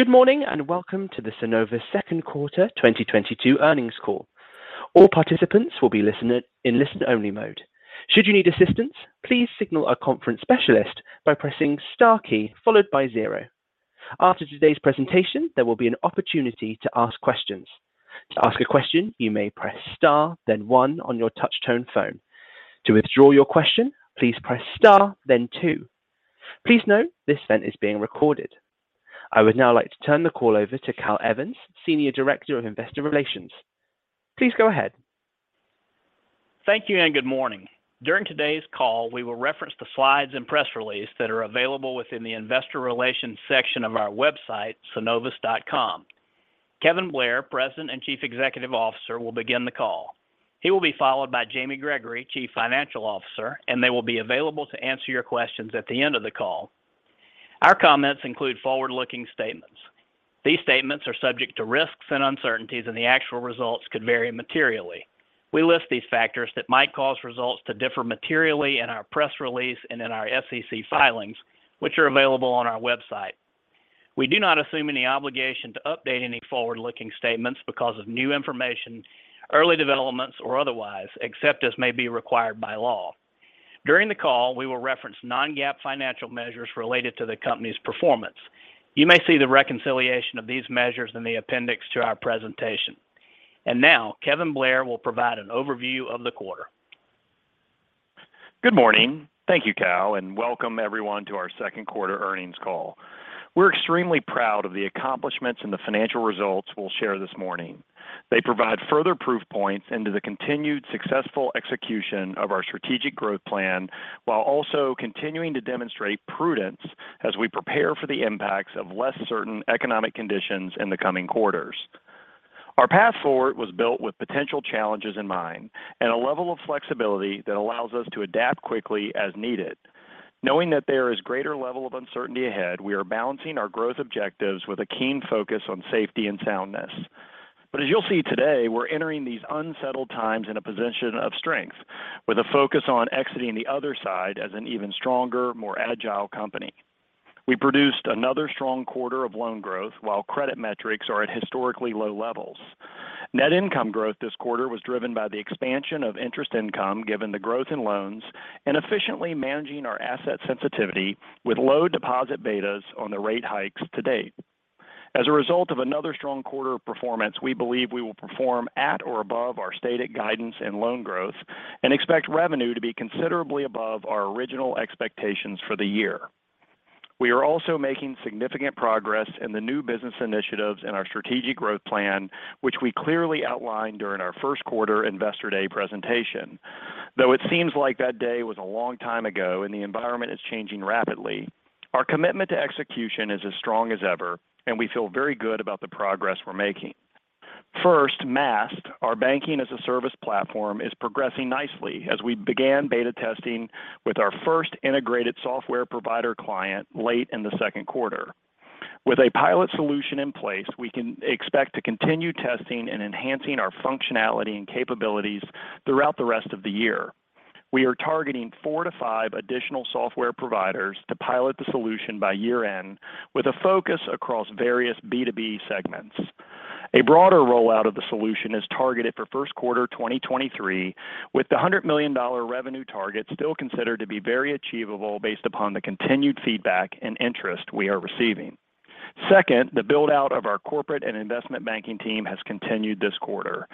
Good morning, and welcome to the Synovus second quarter 2022 earnings call. All participants will be listening in listen-only mode. Should you need assistance, please signal our conference specialist by pressing star key followed by zero. After today's presentation, there will be an opportunity to ask questions. To ask a question, you may press star then one on your touch tone phone. To withdraw your question, please press star then two. Please note this event is being recorded. I would now like to turn the call over to Cal Evans, Senior Director of Investor Relations. Please go ahead. Thank you and good morning. During today's call, we will reference the slides and press release that are available within the investor relations section of our website, synovus.com. Kevin Blair, President and Chief Executive Officer, will begin the call. He will be followed by Jamie Gregory, Chief Financial Officer, and they will be available to answer your questions at the end of the call. Our comments include forward-looking statements. These statements are subject to risks and uncertainties, and the actual results could vary materially. We list these factors that might cause results to differ materially in our press release and in our SEC filings, which are available on our website. We do not assume any obligation to update any forward-looking statements because of new information, early developments, or otherwise, except as may be required by law. During the call, we will reference non-GAAP financial measures related to the company's performance. You may see the reconciliation of these measures in the appendix to our presentation. Now, Kevin Blair will provide an overview of the quarter. Good morning. Thank you, Cal, and welcome everyone to our second quarter earnings call. We're extremely proud of the accomplishments and the financial results we'll share this morning. They provide further proof points into the continued successful execution of our strategic growth plan while also continuing to demonstrate prudence as we prepare for the impacts of less certain economic conditions in the coming quarters. Our path forward was built with potential challenges in mind and a level of flexibility that allows us to adapt quickly as needed. Knowing that there is greater level of uncertainty ahead, we are balancing our growth objectives with a keen focus on safety and soundness. As you'll see today, we're entering these unsettled times in a position of strength with a focus on exiting the other side as an even stronger, more agile company. We produced another strong quarter of loan growth while credit metrics are at historically low levels. Net income growth this quarter was driven by the expansion of interest income given the growth in loans and efficiently managing our asset sensitivity with low deposit betas on the rate hikes to date. As a result of another strong quarter of performance, we believe we will perform at or above our stated guidance and loan growth and expect revenue to be considerably above our original expectations for the year. We are also making significant progress in the new business initiatives in our strategic growth plan, which we clearly outlined during our first quarter Investor Day presentation. Though it seems like that day was a long time ago and the environment is changing rapidly, our commitment to execution is as strong as ever, and we feel very good about the progress we're making. First, Maast, our banking-as-a-service platform, is progressing nicely as we began beta testing with our first integrated software provider client late in the second quarter. With a pilot solution in place, we can expect to continue testing and enhancing our functionality and capabilities throughout the rest of the year. We are targeting 4-5 additional software providers to pilot the solution by year-end with a focus across various B2B segments. A broader rollout of the solution is targeted for first quarter 2023, with the $100 million revenue target still considered to be very achievable based upon the continued feedback and interest we are receiving. Second, the build-out of our corporate and investment banking team has continued this quarter.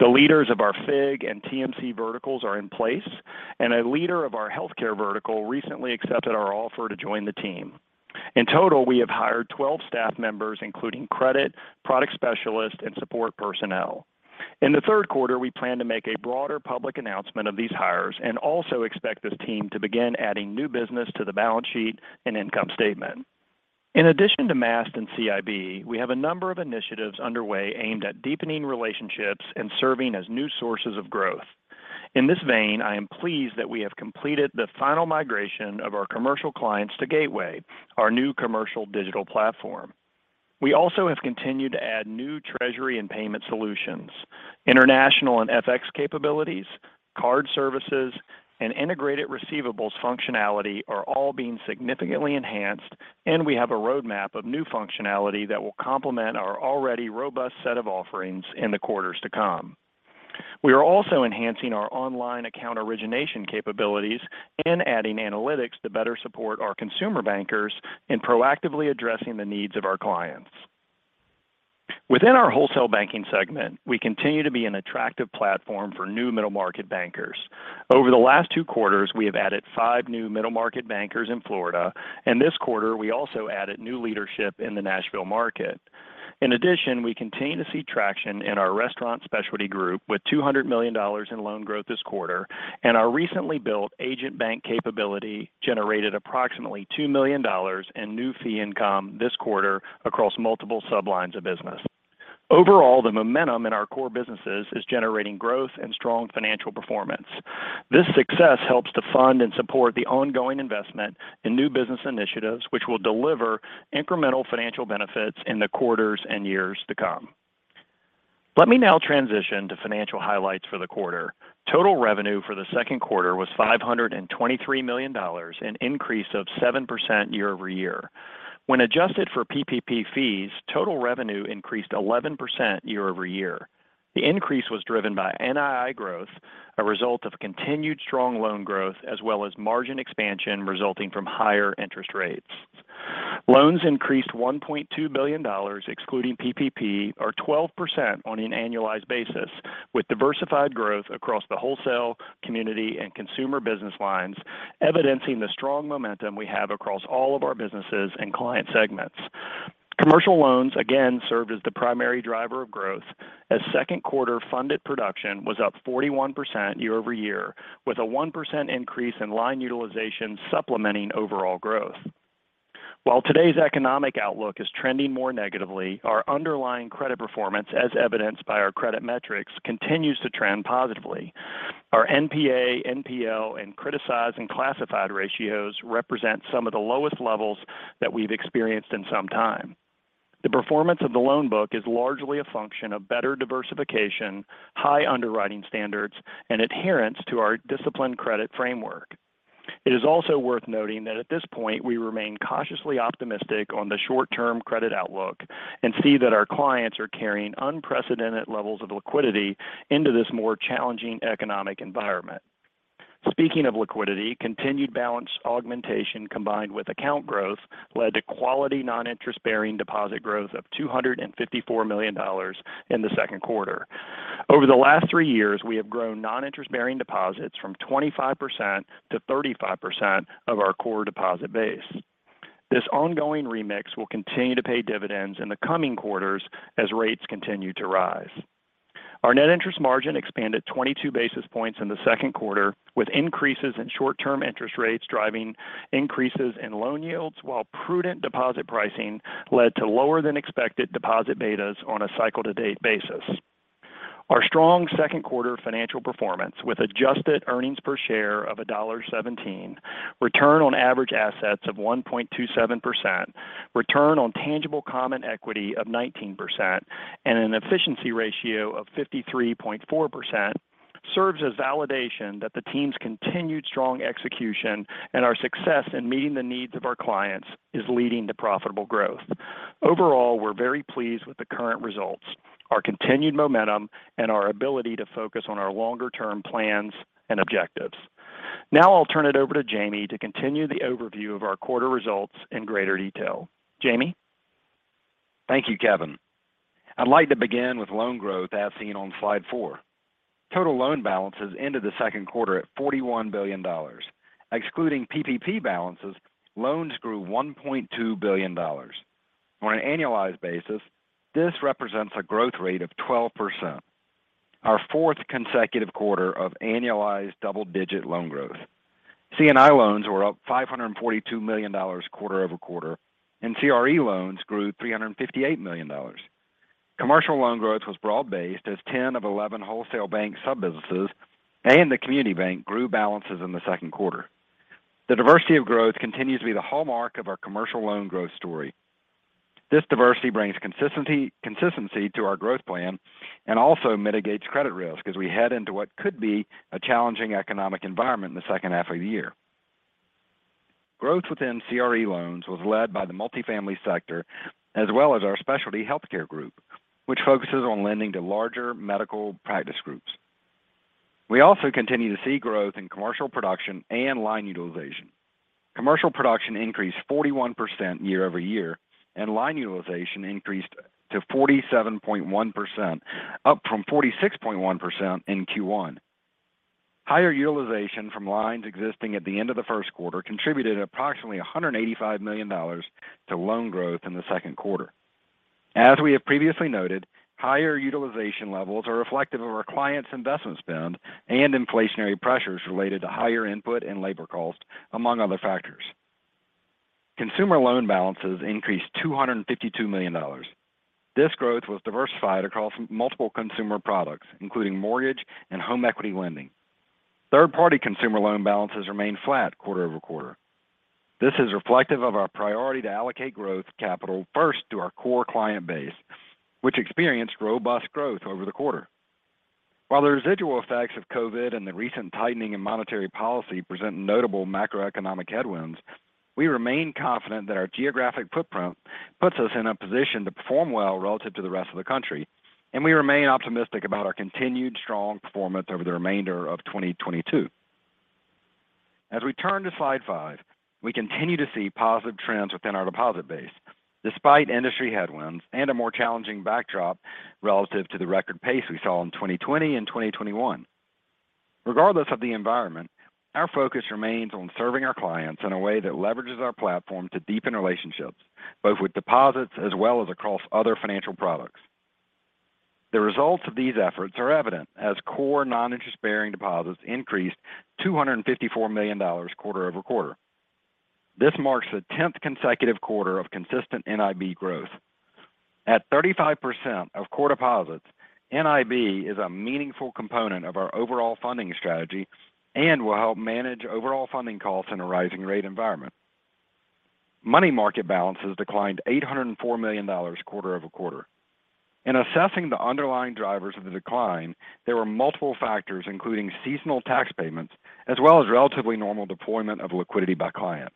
The leaders of our FIG and TMC verticals are in place, and a leader of our healthcare vertical recently accepted our offer to join the team. In total, we have hired 12 staff members, including credit, product specialists, and support personnel. In the third quarter, we plan to make a broader public announcement of these hires and also expect this team to begin adding new business to the balance sheet and income statement. In addition to Maast and CIB, we have a number of initiatives underway aimed at deepening relationships and serving as new sources of growth. In this vein, I am pleased that we have completed the final migration of our commercial clients to Gateway, our new commercial digital platform. We also have continued to add new treasury and payment solutions. International and FX capabilities, card services, and integrated receivables functionality are all being significantly enhanced, and we have a roadmap of new functionality that will complement our already robust set of offerings in the quarters to come. We are also enhancing our online account origination capabilities and adding analytics to better support our consumer bankers in proactively addressing the needs of our clients. Within our wholesale banking segment, we continue to be an attractive platform for new middle market bankers. Over the last two quarters, we have added five new middle market bankers in Florida, and this quarter, we also added new leadership in the Nashville market. In addition, we continue to see traction in our restaurant specialty group with $200 million in loan growth this quarter, and our recently built agent bank capability generated approximately $2 million in new fee income this quarter across multiple sublines of business. Overall, the momentum in our core businesses is generating growth and strong financial performance. This success helps to fund and support the ongoing investment in new business initiatives, which will deliver incremental financial benefits in the quarters and years to come. Let me now transition to financial highlights for the quarter. Total revenue for the second quarter was $523 million, an increase of 7% year-over-year. When adjusted for PPP fees, total revenue increased 11% year-over-year. The increase was driven by NII growth, a result of continued strong loan growth, as well as margin expansion resulting from higher interest rates. Loans increased $1.2 billion, excluding PPP, or 12% on an annualized basis, with diversified growth across the wholesale, community, and consumer business lines, evidencing the strong momentum we have across all of our businesses and client segments. Commercial loans again served as the primary driver of growth as second quarter funded production was up 41% year-over-year with a 1% increase in line utilization supplementing overall growth. While today's economic outlook is trending more negatively, our underlying credit performance as evidenced by our credit metrics continues to trend positively. Our NPA, NPL, and criticized and classified ratios represent some of the lowest levels that we've experienced in some time. The performance of the loan book is largely a function of better diversification, high underwriting standards, and adherence to our disciplined credit framework. It is also worth noting that at this point, we remain cautiously optimistic on the short-term credit outlook and see that our clients are carrying unprecedented levels of liquidity into this more challenging economic environment. Speaking of liquidity, continued balance augmentation combined with account growth led to quality non-interest-bearing deposit growth of $254 million in the second quarter. Over the last 3 years, we have grown non-interest-bearing deposits from 25% to 35% of our core deposit base. This ongoing remix will continue to pay dividends in the coming quarters as rates continue to rise. Our net interest margin expanded 22 basis points in the second quarter, with increases in short-term interest rates driving increases in loan yields while prudent deposit pricing led to lower than expected deposit betas on a cycle to date basis. Our strong second quarter financial performance with adjusted earnings per share of $1.17, return on average assets of 1.27%, return on tangible common equity of 19%, and an efficiency ratio of 53.4% serves as validation that the team's continued strong execution and our success in meeting the needs of our clients is leading to profitable growth. Overall, we're very pleased with the current results, our continued momentum, and our ability to focus on our longer term plans and objectives. Now I'll turn it over to Jamie to continue the overview of our quarter results in greater detail. Jamie? Thank you, Kevin. I'd like to begin with loan growth as seen on slide four. Total loan balances ended the second quarter at $41 billion. Excluding PPP balances, loans grew $1.2 billion. On an annualized basis, this represents a growth rate of 12%, our fourth consecutive quarter of annualized double-digit loan growth. C&I loans were up $542 million quarter-over-quarter, and CRE loans grew $358 million. Commercial loan growth was broad-based as 10 of 11 wholesale bank sub-businesses and the community bank grew balances in the second quarter. The diversity of growth continues to be the hallmark of our commercial loan growth story. This diversity brings consistency to our growth plan and also mitigates credit risk as we head into what could be a challenging economic environment in the second half of the year. Growth within CRE loans was led by the multifamily sector as well as our specialty healthcare group, which focuses on lending to larger medical practice groups. We also continue to see growth in commercial production and line utilization. Commercial production increased 41% year-over-year, and line utilization increased to 47.1%, up from 46.1% in Q1. Higher utilization from lines existing at the end of the first quarter contributed approximately $185 million to loan growth in the second quarter. As we have previously noted, higher utilization levels are reflective of our clients' investment spend and inflationary pressures related to higher input and labor costs, among other factors. Consumer loan balances increased $252 million. This growth was diversified across multiple consumer products, including mortgage and home equity lending. Third party consumer loan balances remained flat quarter-over-quarter. This is reflective of our priority to allocate growth capital first to our core client base, which experienced robust growth over the quarter. While the residual effects of COVID and the recent tightening in monetary policy present notable macroeconomic headwinds, we remain confident that our geographic footprint puts us in a position to perform well relative to the rest of the country, and we remain optimistic about our continued strong performance over the remainder of 2022. As we turn to slide 5, we continue to see positive trends within our deposit base despite industry headwinds and a more challenging backdrop relative to the record pace we saw in 2020 and 2021. Regardless of the environment, our focus remains on serving our clients in a way that leverages our platform to deepen relationships, both with deposits as well as across other financial products. The results of these efforts are evident as core non-interest-bearing deposits increased $254 million quarter-over-quarter. This marks the 10th consecutive quarter of consistent NIB growth. At 35% of core deposits, NIB is a meaningful component of our overall funding strategy and will help manage overall funding costs in a rising rate environment. Money market balances declined $804 million quarter-over-quarter. In assessing the underlying drivers of the decline, there were multiple factors, including seasonal tax payments as well as relatively normal deployment of liquidity by clients.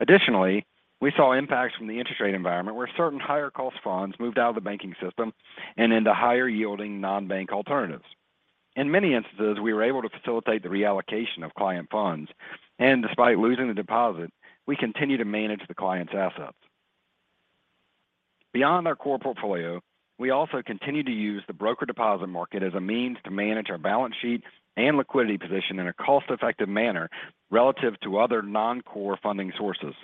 Additionally, we saw impacts from the interest rate environment where certain higher cost funds moved out of the banking system and into higher yielding non-bank alternatives. In many instances, we were able to facilitate the reallocation of client funds, and despite losing the deposit, we continue to manage the client's assets. Beyond our core portfolio, we also continue to use the broker deposit market as a means to manage our balance sheet and liquidity position in a cost-effective manner relative to other non-core funding sources.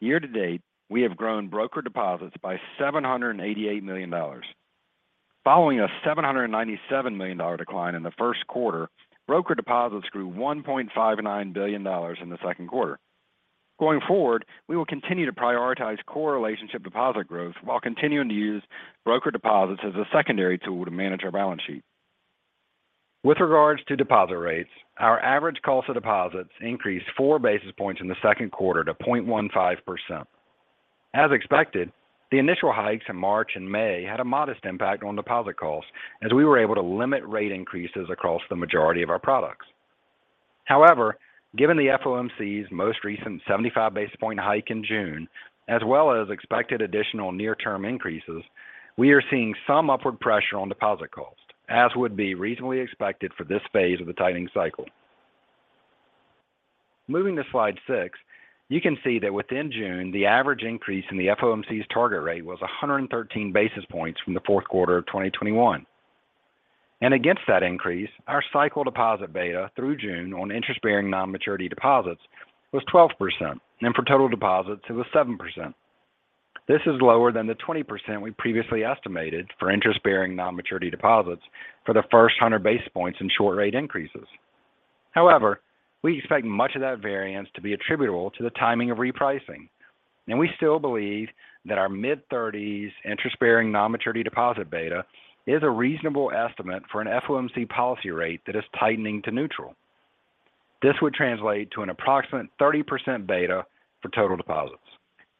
Year-to-date, we have grown broker deposits by $788 million. Following a $797 million decline in the first quarter, broker deposits grew $1.59 billion in the second quarter. Going forward, we will continue to prioritize core relationship deposit growth while continuing to use broker deposits as a secondary tool to manage our balance sheet. With regards to deposit rates, our average cost of deposits increased 4 basis points in the second quarter to 0.15%. As expected, the initial hikes in March and May had a modest impact on deposit costs as we were able to limit rate increases across the majority of our products. However, given the FOMC's most recent 75 basis point hike in June, as well as expected additional near term increases, we are seeing some upward pressure on deposit costs, as would be reasonably expected for this phase of the tightening cycle. Moving to slide 6, you can see that within June, the average increase in the FOMC's target rate was 113 basis points from the fourth quarter of 2021. Against that increase, our cycle deposit beta through June on interest-bearing non-maturity deposits was 12% and for total deposits, it was 7%. This is lower than the 20% we previously estimated for interest-bearing non-maturity deposits for the first 100 basis points in short rate increases. However, we expect much of that variance to be attributable to the timing of repricing. We still believe that our mid-30s interest-bearing non-maturity deposit beta is a reasonable estimate for an FOMC policy rate that is tightening to neutral. This would translate to an approximate 30% beta for total deposits.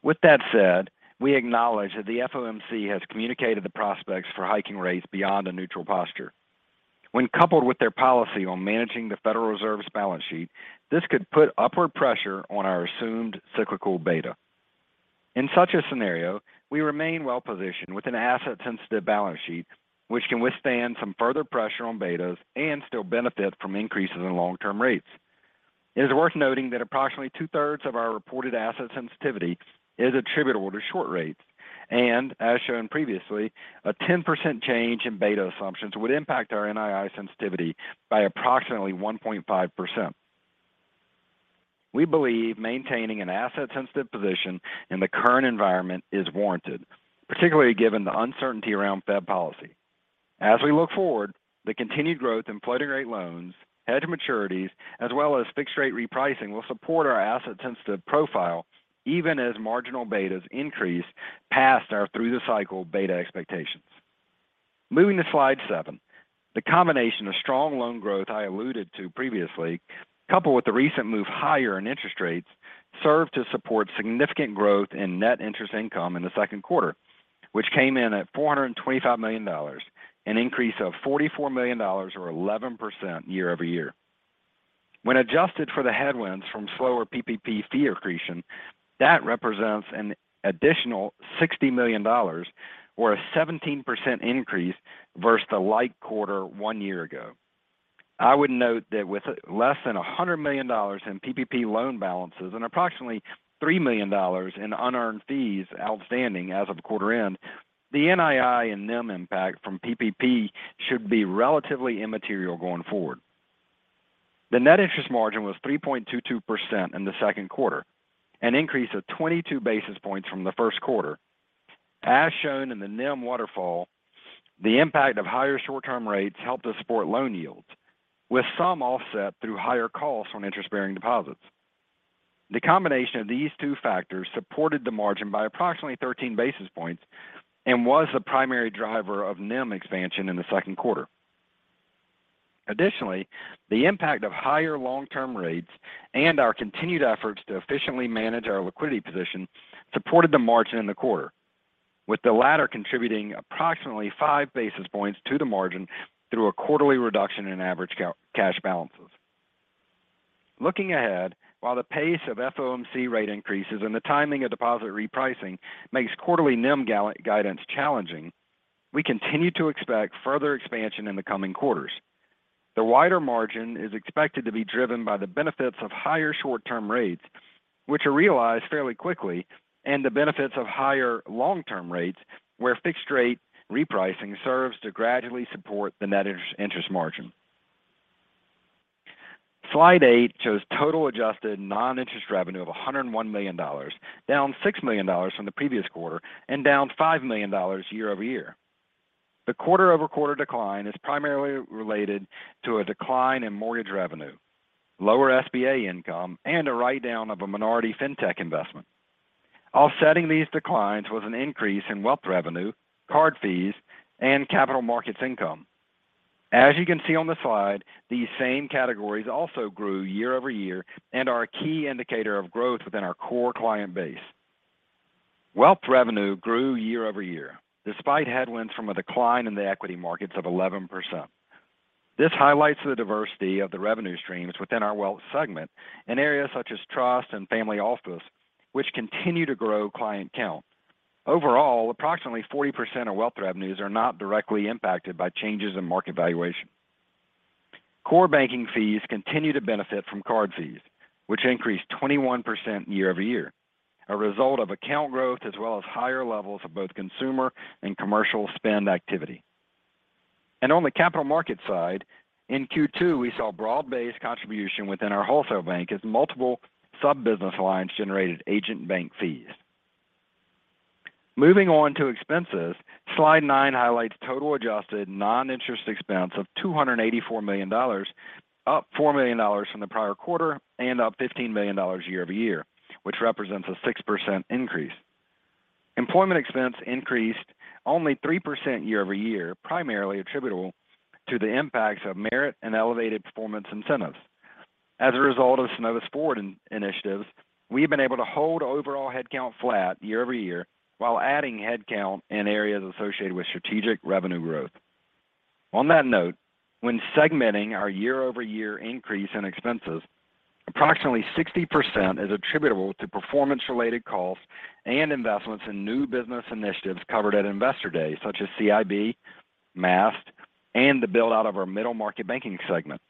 With that said, we acknowledge that the FOMC has communicated the prospects for hiking rates beyond a neutral posture. When coupled with their policy on managing the Federal Reserve's balance sheet, this could put upward pressure on our assumed cyclical beta. In such a scenario, we remain well-positioned with an asset-sensitive balance sheet, which can withstand some further pressure on betas and still benefit from increases in long-term rates. It is worth noting that approximately 2/3 of our reported asset sensitivity is attributable to short rates. As shown previously, a 10% change in beta assumptions would impact our NII sensitivity by approximately 1.5%. We believe maintaining an asset-sensitive position in the current environment is warranted, particularly given the uncertainty around Fed policy. As we look forward, the continued growth in floating-rate loans, hedge maturities, as well as fixed-rate repricing will support our asset sensitive profile, even as marginal betas increase past our through the cycle beta expectations. Moving to slide 7. The combination of strong loan growth I alluded to previously, coupled with the recent move higher in interest rates, served to support significant growth in net interest income in the second quarter, which came in at $425 million, an increase of $44 million or 11% year-over-year. When adjusted for the headwinds from slower PPP fee accretion, that represents an additional $60 million or a 17% increase versus the light quarter one year ago. I would note that with less than $100 million in PPP loan balances and approximately $3 million in unearned fees outstanding as of quarter end, the NII and NIM impact from PPP should be relatively immaterial going forward. The net interest margin was 3.22% in the second quarter, an increase of 22 basis points from the first quarter. As shown in the NIM waterfall, the impact of higher short-term rates helped us support loan yields, with some offset through higher costs on interest-bearing deposits. The combination of these two factors supported the margin by approximately 13 basis points and was the primary driver of NIM expansion in the second quarter. The impact of higher long-term rates and our continued efforts to efficiently manage our liquidity position supported the margin in the quarter, with the latter contributing approximately five basis points to the margin through a quarterly reduction in average cash balances. Looking ahead, while the pace of FOMC rate increases and the timing of deposit repricing makes quarterly NIM guidance challenging, we continue to expect further expansion in the coming quarters. The wider margin is expected to be driven by the benefits of higher short-term rates, which are realized fairly quickly, and the benefits of higher long-term rates, where fixed rate repricing serves to gradually support the net interest margin. Slide 8 shows total adjusted non-interest revenue of $101 million, down $6 million from the previous quarter and down $5 million year-over-year. The quarter-over-quarter decline is primarily related to a decline in mortgage revenue, lower SBA income, and a write-down of a minority fintech investment. Offsetting these declines was an increase in wealth revenue, card fees, and capital markets income. As you can see on the slide, these same categories also grew year-over-year and are a key indicator of growth within our core client base. Wealth revenue grew year-over-year despite headwinds from a decline in the equity markets of 11%. This highlights the diversity of the revenue streams within our wealth segment in areas such as trust and family office, which continue to grow client count. Overall, approximately 40% of wealth revenues are not directly impacted by changes in market valuation. Core banking fees continue to benefit from card fees, which increased 21% year-over-year, a result of account growth as well as higher levels of both consumer and commercial spend activity. On the capital market side, in Q2, we saw broad-based contribution within our wholesale bank as multiple sub-business lines generated agent bank fees. Moving on to expenses. Slide 9 highlights total adjusted non-interest expense of $284 million, up $4 million from the prior quarter and up $15 million year-over-year, which represents a 6% increase. Employment expense increased only 3% year-over-year, primarily attributable to the impacts of merit and elevated performance incentives. As a result of Synovus Forward initiatives, we have been able to hold overall headcount flat year-over-year while adding headcount in areas associated with strategic revenue growth. On that note, when segmenting our year-over-year increase in expenses, approximately 60% is attributable to performance-related costs and investments in new business initiatives covered at Investor Day, such as CIB, Maast, and the build-out of our middle market banking segment.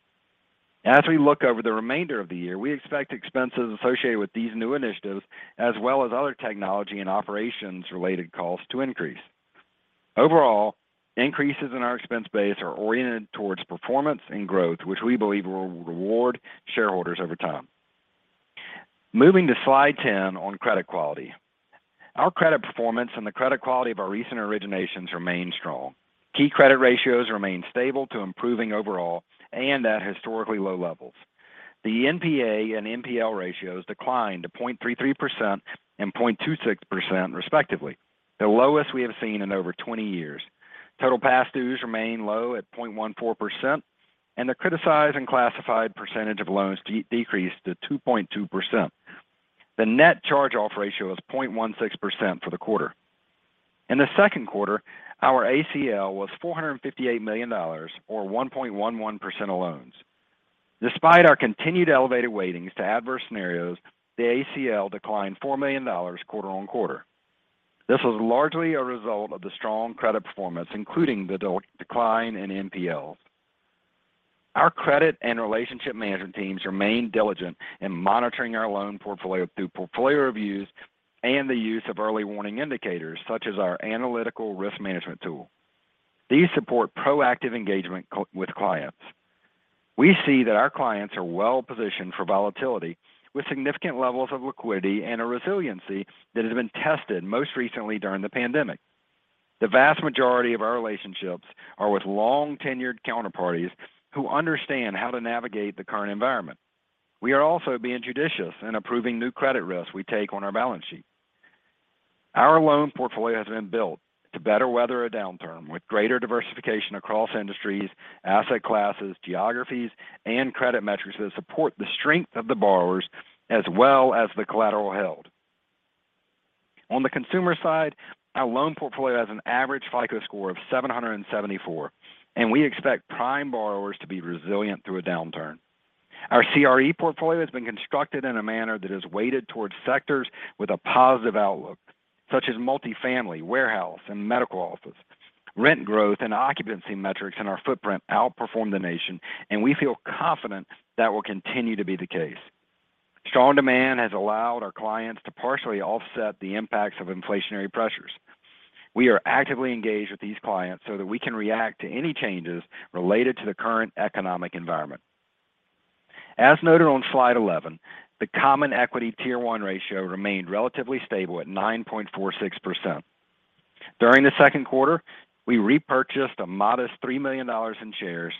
As we look over the remainder of the year, we expect expenses associated with these new initiatives as well as other technology and operations related costs to increase. Overall, increases in our expense base are oriented towards performance and growth, which we believe will reward shareholders over time. Moving to slide 10 on credit quality. Our credit performance and the credit quality of our recent originations remain strong. Key credit ratios remain stable to improving overall and at historically low levels. The NPA and NPL ratios declined to 0.33% and 0.26% respectively, the lowest we have seen in over 20 years. Total past dues remain low at 0.14%, and the criticized and classified percentage of loans decreased to 2.2%. The net charge-off ratio is 0.16% for the quarter. In the second quarter, our ACL was $458 million or 1.11% of loans. Despite our continued elevated weightings to adverse scenarios, the ACL declined $4 million quarter-over-quarter. This was largely a result of the strong credit performance, including the decline in NPL. Our credit and relationship management teams remain diligent in monitoring our loan portfolio through portfolio reviews and the use of early warning indicators, such as our analytical risk management tool. These support proactive engagement with clients. We see that our clients are well-positioned for volatility with significant levels of liquidity and a resiliency that has been tested most recently during the pandemic. The vast majority of our relationships are with long-tenured counterparties who understand how to navigate the current environment. We are also being judicious in approving new credit risks we take on our balance sheet. Our loan portfolio has been built to better weather a downturn with greater diversification across industries, asset classes, geographies, and credit metrics that support the strength of the borrowers as well as the collateral held. On the consumer side, our loan portfolio has an average FICO score of 774, and we expect prime borrowers to be resilient through a downturn. Our CRE portfolio has been constructed in a manner that is weighted towards sectors with a positive outlook, such as multifamily, warehouse, and medical office. Rent growth and occupancy metrics in our footprint outperform the nation, and we feel confident that will continue to be the case. Strong demand has allowed our clients to partially offset the impacts of inflationary pressures. We are actively engaged with these clients so that we can react to any changes related to the current economic environment. As noted on slide 11, the common equity tier one ratio remained relatively stable at 9.46%. During the second quarter, we repurchased a modest $3 million in shares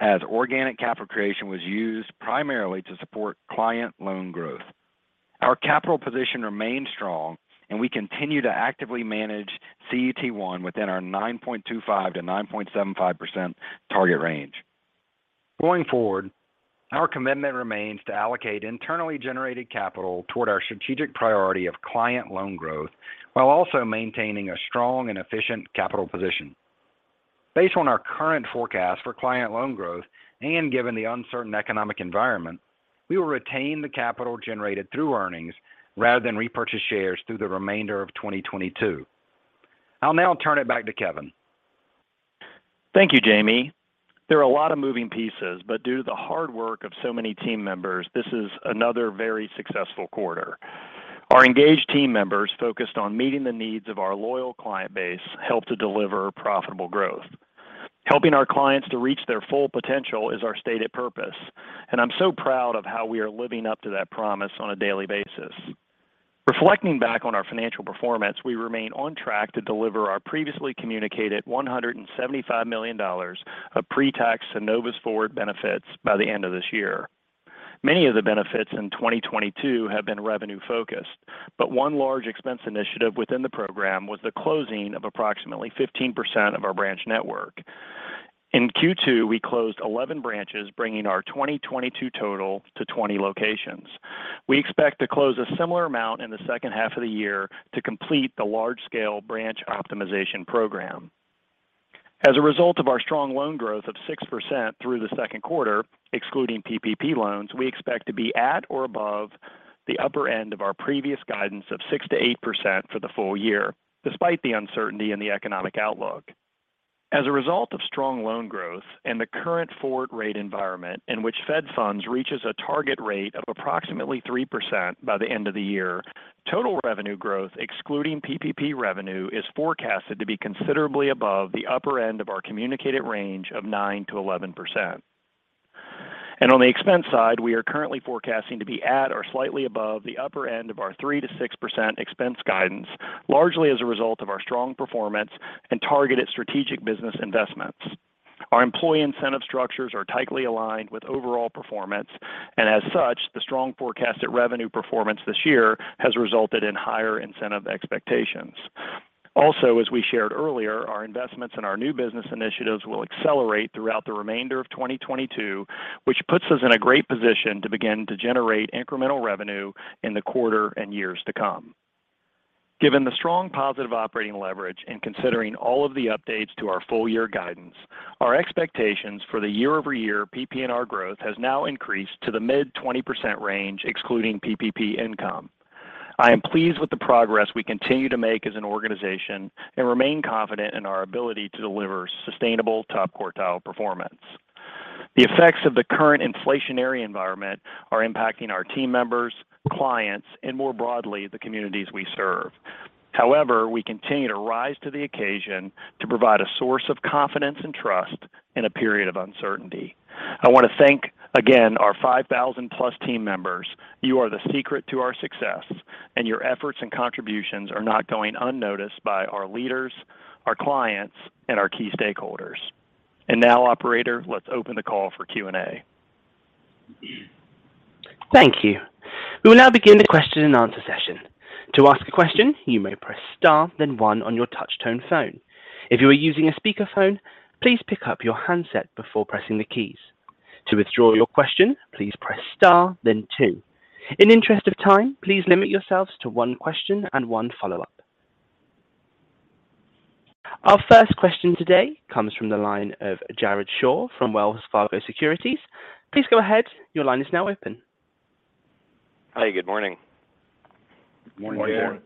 as organic capital creation was used primarily to support client loan growth. Our capital position remains strong, and we continue to actively manage CET1 within our 9.25%-9.75% target range. Going forward, our commitment remains to allocate internally generated capital toward our strategic priority of client loan growth while also maintaining a strong and efficient capital position. Based on our current forecast for client loan growth and given the uncertain economic environment, we will retain the capital generated through earnings rather than repurchase shares through the remainder of 2022. I'll now turn it back to Kevin. Thank you, Jamie. There are a lot of moving pieces, but due to the hard work of so many team members, this is another very successful quarter. Our engaged team members focused on meeting the needs of our loyal client base helped to deliver profitable growth. Helping our clients to reach their full potential is our stated purpose, and I'm so proud of how we are living up to that promise on a daily basis. Reflecting back on our financial performance, we remain on track to deliver our previously communicated $175 million of pre-tax Synovus Forward benefits by the end of this year. Many of the benefits in 2022 have been revenue-focused, but one large expense initiative within the program was the closing of approximately 15% of our branch network. In Q2, we closed 11 branches, bringing our 2022 total to 20 locations. We expect to close a similar amount in the second half of the year to complete the large scale branch optimization program. As a result of our strong loan growth of 6% through the second quarter, excluding PPP loans, we expect to be at or above the upper end of our previous guidance of 6%-8% for the full year, despite the uncertainty in the economic outlook. As a result of strong loan growth and the current forward rate environment in which Fed funds rate reaches a target rate of approximately 3% by the end of the year, total revenue growth excluding PPP revenue is forecasted to be considerably above the upper end of our communicated range of 9%-11%. On the expense side, we are currently forecasting expenses to be at or slightly above the upper end of our 3%-6% expense guidance, largely as a result of our strong performance and targeted strategic business investments. Our employee incentive structures are tightly aligned with overall performance, and as such, the strong forecasted revenue performance this year has resulted in higher incentive expectations. Also, as we shared earlier, our investments in our new business initiatives will accelerate throughout the remainder of 2022, which puts us in a great position to begin to generate incremental revenue in the quarter and years to come. Given the strong positive operating leverage and considering all of the updates to our full year guidance, our expectations for the year-over-year PPNR growth has now increased to the mid-20% range, excluding PPP income. I am pleased with the progress we continue to make as an organization and remain confident in our ability to deliver sustainable top quartile performance. The effects of the current inflationary environment are impacting our team members, clients, and more broadly, the communities we serve. However, we continue to rise to the occasion to provide a source of confidence and trust in a period of uncertainty. I want to thank again our 5,000+ team members. You are the secret to our success, and your efforts and contributions are not going unnoticed by our leaders, our clients, and our key stakeholders. Now, operator, let's open the call for Q&A. Thank you. We will now begin the question and answer session. To ask a question, you may press star then one on your touch tone phone. If you are using a speaker phone, please pick up your handset before pressing the keys. To withdraw your question, please press star then two. In interest of time, please limit yourselves to one question and one follow-up. Our first question today comes from the line of Jared Shaw from Wells Fargo Securities. Please go ahead. Your line is now open. Hi, good morning. Good morning. Good morning.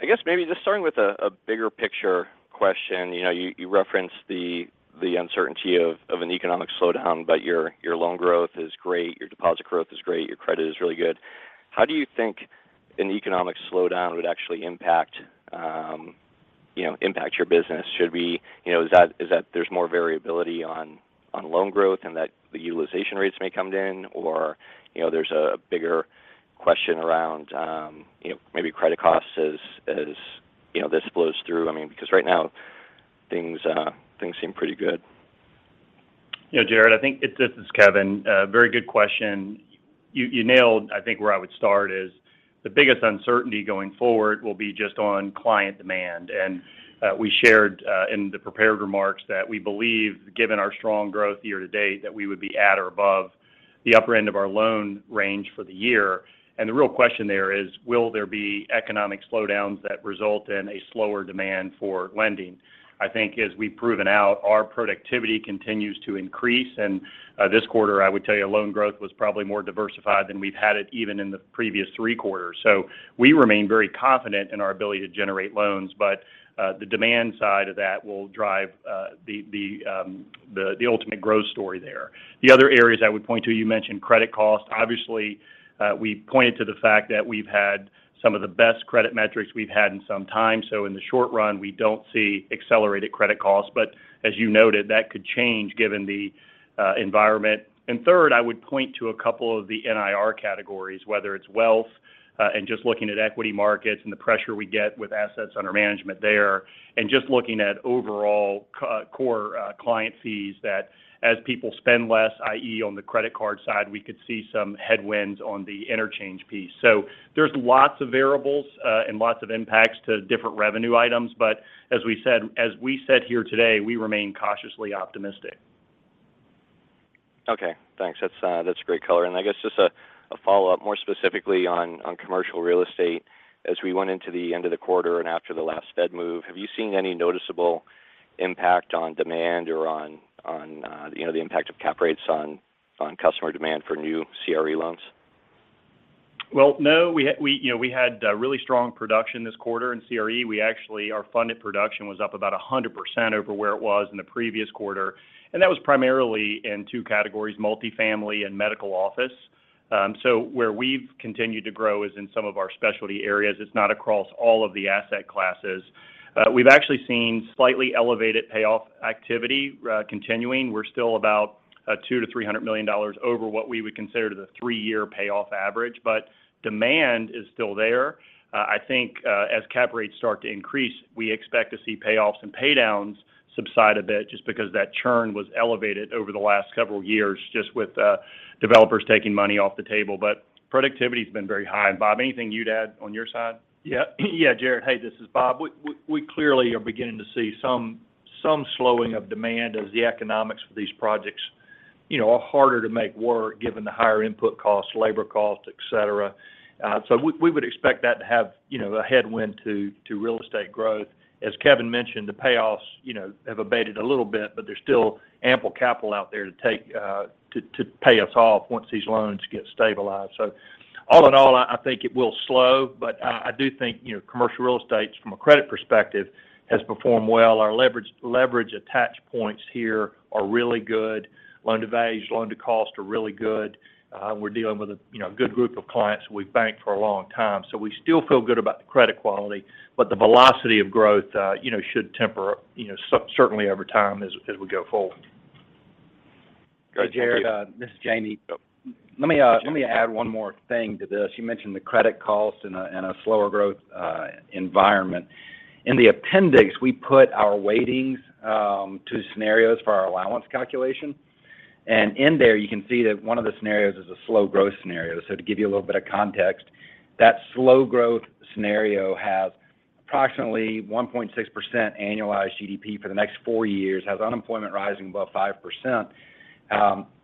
I guess maybe just starting with a bigger picture question. You know, you referenced the uncertainty of an economic slowdown, but your loan growth is great, your deposit growth is great, your credit is really good. How do you think an economic slowdown would actually impact your business? Is that there's more variability on loan growth and that the utilization rates may come down or, you know, there's a bigger question around, you know, maybe credit costs as, you know, this flows through? I mean, because right now things seem pretty good. You know, Jared, this is Kevin. Very good question. You nailed, I think where I would start is the biggest uncertainty going forward will be just on client demand. We shared in the prepared remarks that we believe, given our strong growth year-to-date, that we would be at or above the upper end of our loan range for the year. The real question there is will there be economic slowdowns that result in a slower demand for lending? I think as we've proven out, our productivity continues to increase. This quarter, I would tell you loan growth was probably more diversified than we've had it even in the previous three quarters. We remain very confident in our ability to generate loans. The demand side of that will drive the ultimate growth story there. The other areas I would point to, you mentioned credit cost. Obviously, we pointed to the fact that we've had some of the best credit metrics we've had in some time. In the short run, we don't see accelerated credit costs. As you noted, that could change given the environment. Third, I would point to a couple of the NIR categories, whether it's wealth and just looking at equity markets and the pressure we get with assets under management there, and just looking at overall core client fees that as people spend less, i.e., on the credit card side, we could see some headwinds on the interchange piece. There's lots of variables and lots of impacts to different revenue items. As we said here today, we remain cautiously optimistic. Okay, thanks. That's great color. I guess just a follow-up more specifically on commercial real estate. As we went into the end of the quarter and after the last Fed move, have you seen any noticeable impact on demand or on you know, the impact of cap rates on customer demand for new CRE loans? Well, no. We, you know, had really strong production this quarter in CRE. Our funded production was up about 100% over where it was in the previous quarter. That was primarily in two categories, multifamily and medical office. Where we've continued to grow is in some of our specialty areas. It's not across all of the asset classes. We've actually seen slightly elevated payoff activity continuing. We're still about $200 million-$300 million over what we would consider the three-year payoff average, but demand is still there. I think as cap rates start to increase, we expect to see payoffs and pay downs subside a bit just because that churn was elevated over the last several years just with developers taking money off the table. Productivity's been very high. Bob, anything you'd add on your side? Yeah. Yeah, Jared. Hey, this is Bob. We clearly are beginning to see some slowing of demand as the economics for these projects. You know, are harder to make work given the higher input costs, labor costs, et cetera. We would expect that to have, you know, a headwind to real estate growth. As Kevin mentioned, the payoffs, you know, have abated a little bit, but there's still ample capital out there to pay us off once these loans get stabilized. All in all, I think it will slow. I do think, you know, commercial real estate from a credit perspective has performed well. Our leverage attach points here are really good. Loan-to-values, loan-to-cost are really good. We're dealing with a, you know, good group of clients we've banked for a long time. We still feel good about the credit quality, but the velocity of growth, you know, should temper, you know, certainly over time as we go forward. Great. Thank you. Jared, this is Jamie. Yep. Let me- Jamie Let me add one more thing to this. You mentioned the credit costs in a slower growth environment. In the appendix, we put our weightings to scenarios for our allowance calculation. In there, you can see that one of the scenarios is a slow growth scenario. To give you a little bit of context, that slow growth scenario has approximately 1.6% annualized GDP for the next four years, has unemployment rising above 5%.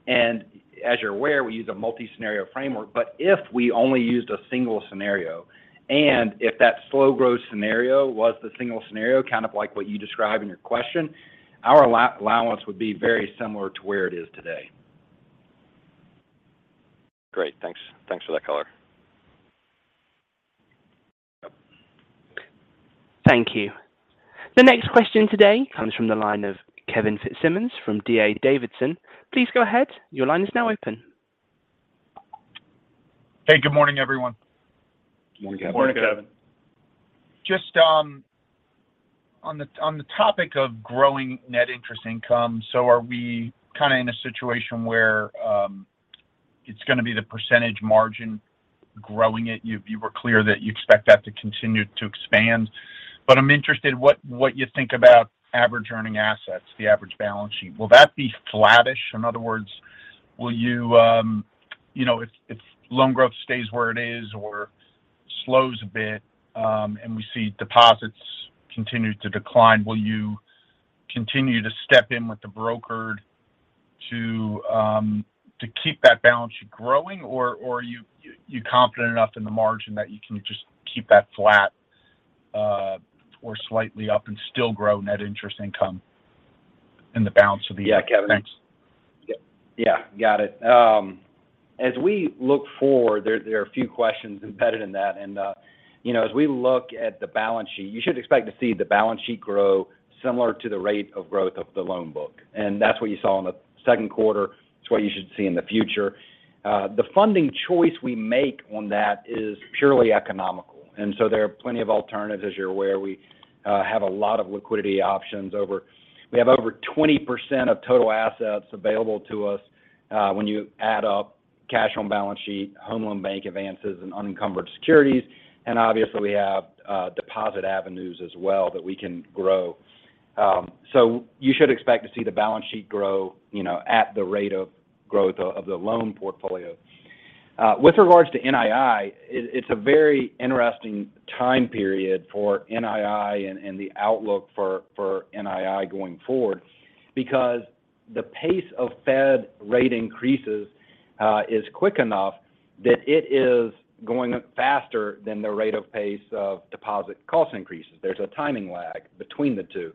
As you're aware, we use a multi-scenario framework. If we only used a single scenario, and if that slow growth scenario was the single scenario, kind of like what you described in your question, our allowance would be very similar to where it is today. Great. Thanks for that color. Yep. Thank you. The next question today comes from the line of Kevin Fitzsimmons from D.A. Davidson. Please go ahead. Your line is now open. Hey, good morning, everyone. Morning, Kevin. Morning, Kevin. Just on the topic of growing net interest income, are we kind of in a situation where it's gonna be the percentage margin growing it? You were clear that you expect that to continue to expand. I'm interested what you think about average earning assets, the average balance sheet. Will that be flattish? In other words, you know, if loan growth stays where it is or slows a bit, and we see deposits continue to decline, will you continue to step in with the brokered to keep that balance sheet growing, or are you confident enough in the margin that you can just keep that flat, or slightly up and still grow net interest income in the balance of the year? Thanks. Yeah, Kevin. Got it. As we look forward, there are a few questions embedded in that. You know, as we look at the balance sheet, you should expect to see the balance sheet grow similar to the rate of growth of the loan book. That's what you saw in the second quarter. It's what you should see in the future. The funding choice we make on that is purely economical. There are plenty of alternatives. As you're aware, we have a lot of liquidity options. We have over 20% of total assets available to us when you add up cash on balance sheet, home loan bank advances, and unencumbered securities. Obviously, we have deposit avenues as well that we can grow. You should expect to see the balance sheet grow, you know, at the rate of growth of the loan portfolio. With regards to NII, it's a very interesting time period for NII and the outlook for NII going forward because the pace of Fed rate increases is quick enough that it is going faster than the rate of pace of deposit cost increases. There's a timing lag between the two.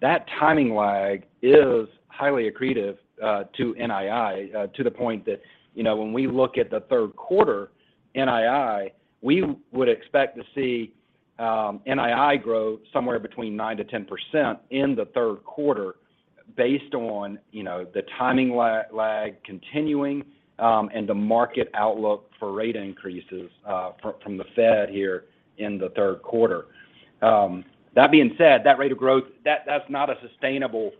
That timing lag is highly accretive to NII to the point that, you know, when we look at the third quarter NII, we would expect to see NII grow somewhere between 9%-10% in the third quarter based on, you know, the timing lag continuing and the market outlook for rate increases from the Fed here in the third quarter. That being said, that rate of growth, that's not a sustainable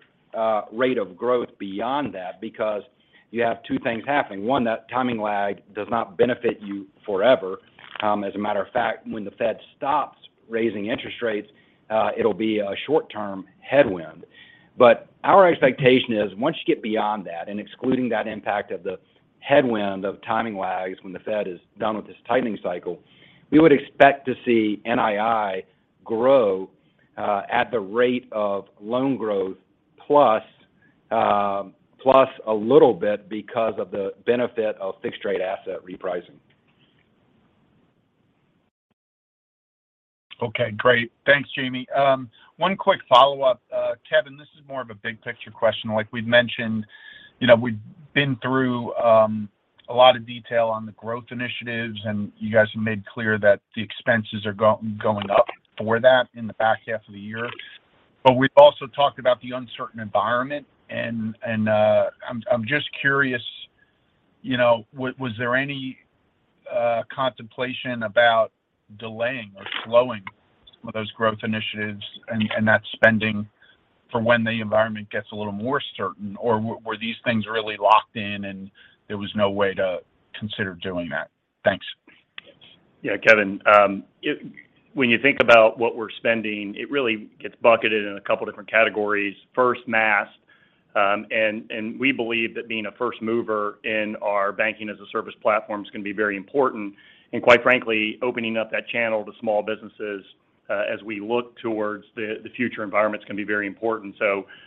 rate of growth beyond that because you have two things happening. One, that timing lag does not benefit you forever. As a matter of fact, when the Fed stops raising interest rates, it'll be a short-term headwind. Our expectation is once you get beyond that and excluding that impact of the headwind of timing lags when the Fed is done with this tightening cycle, we would expect to see NII grow at the rate of loan growth plus a little bit because of the benefit of fixed rate asset repricing. Okay, great. Thanks, Jamie. One quick follow-up. Kevin, this is more of a big picture question. Like we'd mentioned, you know, we've been through a lot of detail on the growth initiatives, and you guys have made clear that the expenses are going up for that in the back half of the year. We've also talked about the uncertain environment, and I'm just curious, you know, was there any contemplation about delaying or slowing some of those growth initiatives and that spending for when the environment gets a little more certain, or were these things really locked in and there was no way to consider doing that? Thanks. Yeah. Kevin, when you think about what we're spending, it really gets bucketed in a couple different categories. First, Maast. We believe that being a first mover in our banking-as-a-service platform is gonna be very important. Quite frankly, opening up that channel to small businesses, as we look towards the future environments can be very important.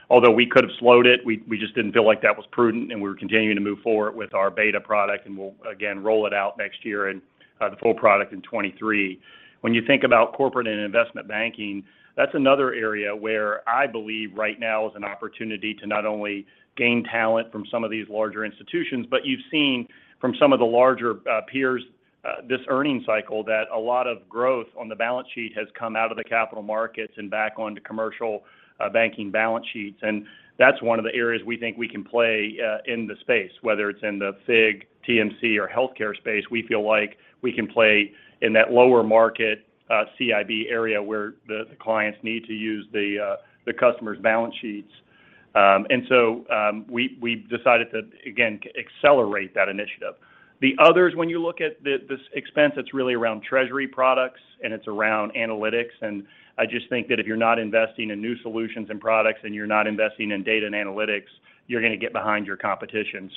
Although we could have slowed it, we just didn't feel like that was prudent and we're continuing to move forward with our beta product, and we'll again roll it out next year and the full product in 2023. When you think about corporate and investment banking, that's another area where I believe right now is an opportunity to not only gain talent from some of these larger institutions, but you've seen from some of the larger peers this earnings cycle that a lot of growth on the balance sheet has come out of the capital markets and back onto commercial banking balance sheets. That's one of the areas we think we can play in the space. Whether it's in the FIG, TMC, or healthcare space, we feel like we can play in that lower market CIB area where the clients need to use the customers' balance sheets. We decided to again accelerate that initiative. The others when you look at this expense that's really around treasury products, and it's around analytics. I just think that if you're not investing in new solutions and products, and you're not investing in data and analytics, you're gonna get behind your competition.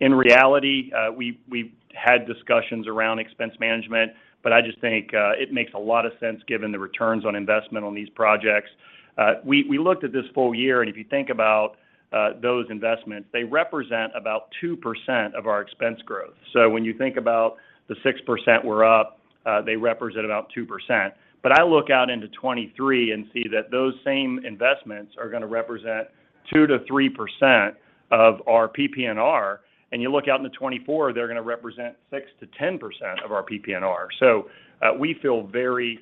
In reality, we had discussions around expense management, but I just think it makes a lot of sense given the returns on investment on these projects. We looked at this full year, and if you think about those investments, they represent about 2% of our expense growth. When you think about the 6% we're up, they represent about 2%. I look out into 2023 and see that those same investments are gonna represent 2%-3% of our PPNR. You look out into 2024, they're gonna represent 6%-10% of our PPNR. We feel very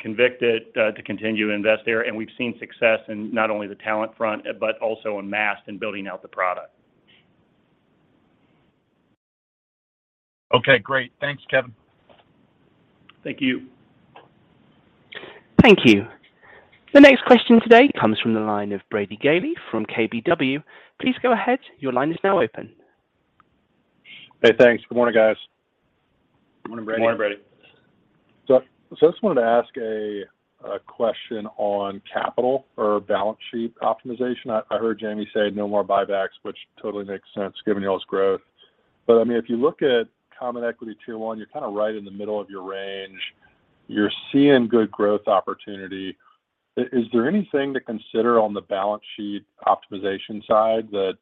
convicted to continue to invest there, and we've seen success in not only the talent front, but also en masse in building out the product. Okay, great. Thanks, Kevin. Thank you. Thank you. The next question today comes from the line of Brady Gailey from KBW. Please go ahead. Your line is now open. Hey, thanks. Good morning, guys. Morning, Brady. Morning, Brady. I just wanted to ask a question on capital or balance sheet optimization. I heard Jamie say no more buybacks, which totally makes sense given y'all's growth. I mean, if you look at common equity tier 1, you're kind of right in the middle of your range. You're seeing good growth opportunity. Is there anything to consider on the balance sheet optimization side that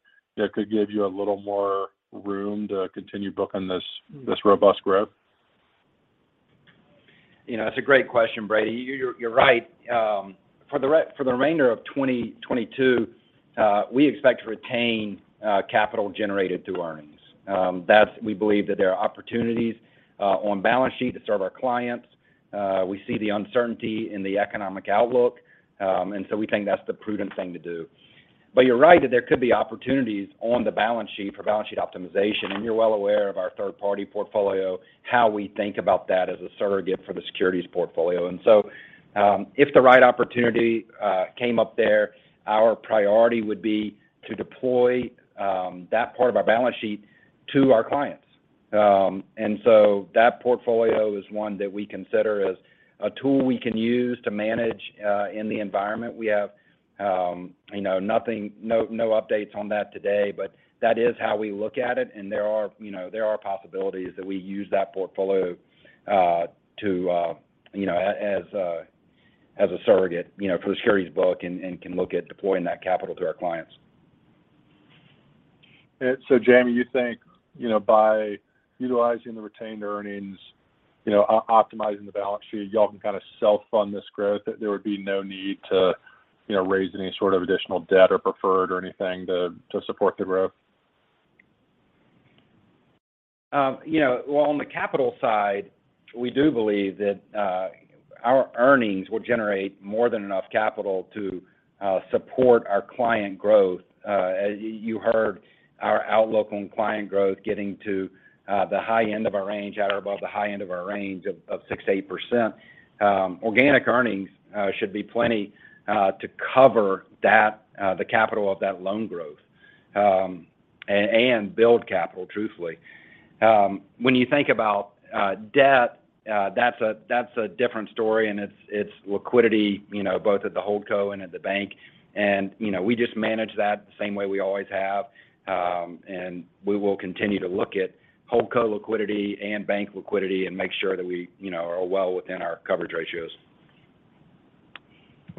could give you a little more room to continue booking this robust growth? You know, that's a great question, Brady. You're right. For the remainder of 2022, we expect to retain capital generated through earnings. That's we believe that there are opportunities on balance sheet to serve our clients. We see the uncertainty in the economic outlook, and so we think that's the prudent thing to do. You're right that there could be opportunities on the balance sheet for balance sheet optimization, and you're well aware of our third-party portfolio, how we think about that as a surrogate for the securities portfolio. If the right opportunity came up there, our priority would be to deploy that part of our balance sheet to our clients. That portfolio is one that we consider as a tool we can use to manage in the environment. We have you know no updates on that today, but that is how we look at it. There are you know possibilities that we use that portfolio to you know as a surrogate you know for the securities book and can look at deploying that capital to our clients. Jamie, you think, you know, by utilizing the retained earnings, you know, optimizing the balance sheet, y'all can kind of self-fund this growth, that there would be no need to, you know, raise any sort of additional debt or preferred or anything to support the growth? Well, on the capital side, we do believe that our earnings will generate more than enough capital to support our client growth. As you heard our outlook on client growth getting to the high end of our range at or above the high end of our range of 6%-8%, organic earnings should be plenty to cover that, the capital of that loan growth. Build capital truthfully. When you think about debt, that's a different story, and it's liquidity, you know, both at the HoldCo and at the bank. You know, we just manage that the same way we always have. We will continue to look at HoldCo liquidity and bank liquidity and make sure that we, you know, are well within our coverage ratios.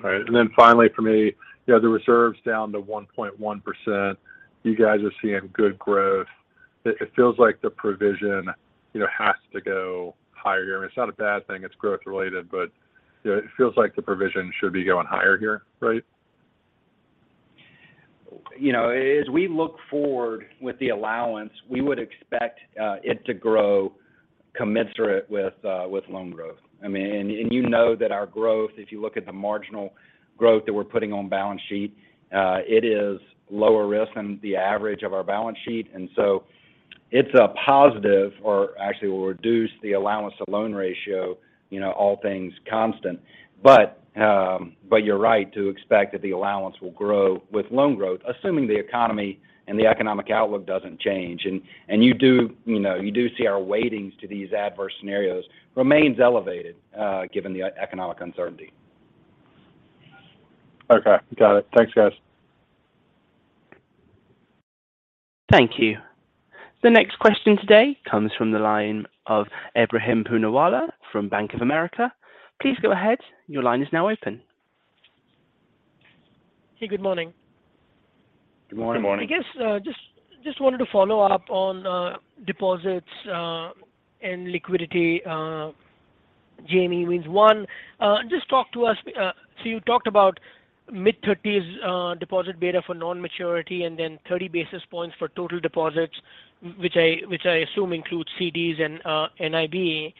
All right. Finally for me, you know, the reserve's down to 1.1%. You guys are seeing good growth. It feels like the provision, you know, has to go higher. I mean, it's not a bad thing. It's growth related. You know, it feels like the provision should be going higher here, right? You know, as we look forward with the allowance, we would expect it to grow commensurate with loan growth. I mean, you know that our growth, if you look at the marginal growth that we're putting on balance sheet, it is lower risk than the average of our balance sheet. So it's a positive or actually will reduce the allowance to loan ratio, you know, all things constant. But you're right to expect that the allowance will grow with loan growth, assuming the economy and the economic outlook doesn't change. You know, you do see our weightings to these adverse scenarios remains elevated, given the economic uncertainty. Okay, got it. Thanks, guys. Thank you. The next question today comes from the line of Ebrahim Poonawala from Bank of America. Please go ahead. Your line is now open. Hey, good morning. Good morning. Good morning. I guess just wanted to follow up on deposits and liquidity, Jamie means one. You talked about mid-30s deposit beta for non-maturity and then 30 basis points for total deposits, which I assume includes CDs and NIB.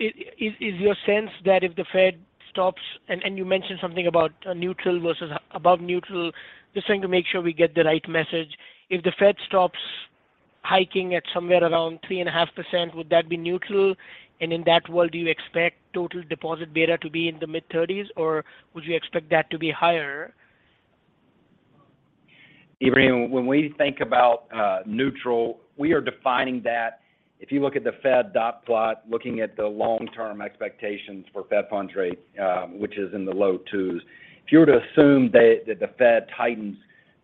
Is your sense that if the Fed stops and you mentioned something about neutral versus above neutral, just trying to make sure we get the right message. If the Fed stops hiking at somewhere around 3.5%, would that be neutral? And in that world, do you expect total deposit beta to be in the mid-30s or would you expect that to be higher? Ebrahim, when we think about neutral, we are defining that. If you look at the Fed dot plot, looking at the long-term expectations for Fed funds rate, which is in the low 2s. If you were to assume that the Fed tightens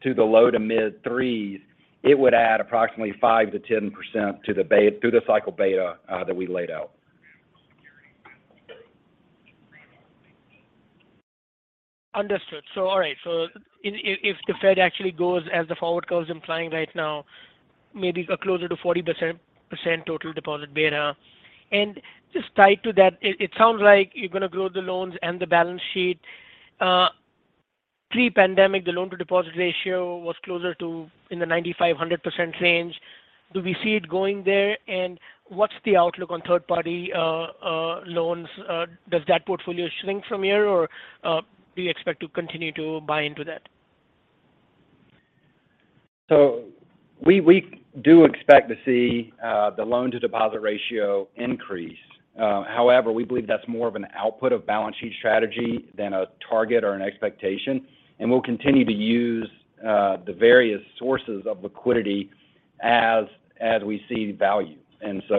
to the low-to-mid 3s, it would add approximately 5%-10% to the through-the-cycle beta that we laid out. Understood. All right. If the Fed actually goes as the forward curve is implying right now, maybe closer to 40% total deposit beta. Just tied to that, it sounds like you're going to grow the loans and the balance sheet. Pre-pandemic, the loan to deposit ratio was closer to the 95%-100% range. Do we see it going there? What's the outlook on third-party loans? Does that portfolio shrink from here or do you expect to continue to buy into that? We do expect to see the loan to deposit ratio increase. However, we believe that's more of an output of balance sheet strategy than a target or an expectation. We'll continue to use the various sources of liquidity as we see value.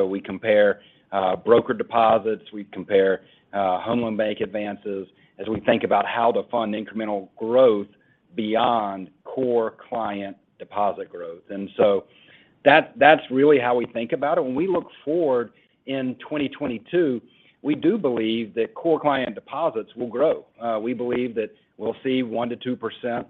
We compare broker deposits, home loan bank advances as we think about how to fund incremental growth beyond core client deposit growth. That's really how we think about it. When we look forward in 2022, we do believe that core client deposits will grow. We believe that we'll see 1%-2%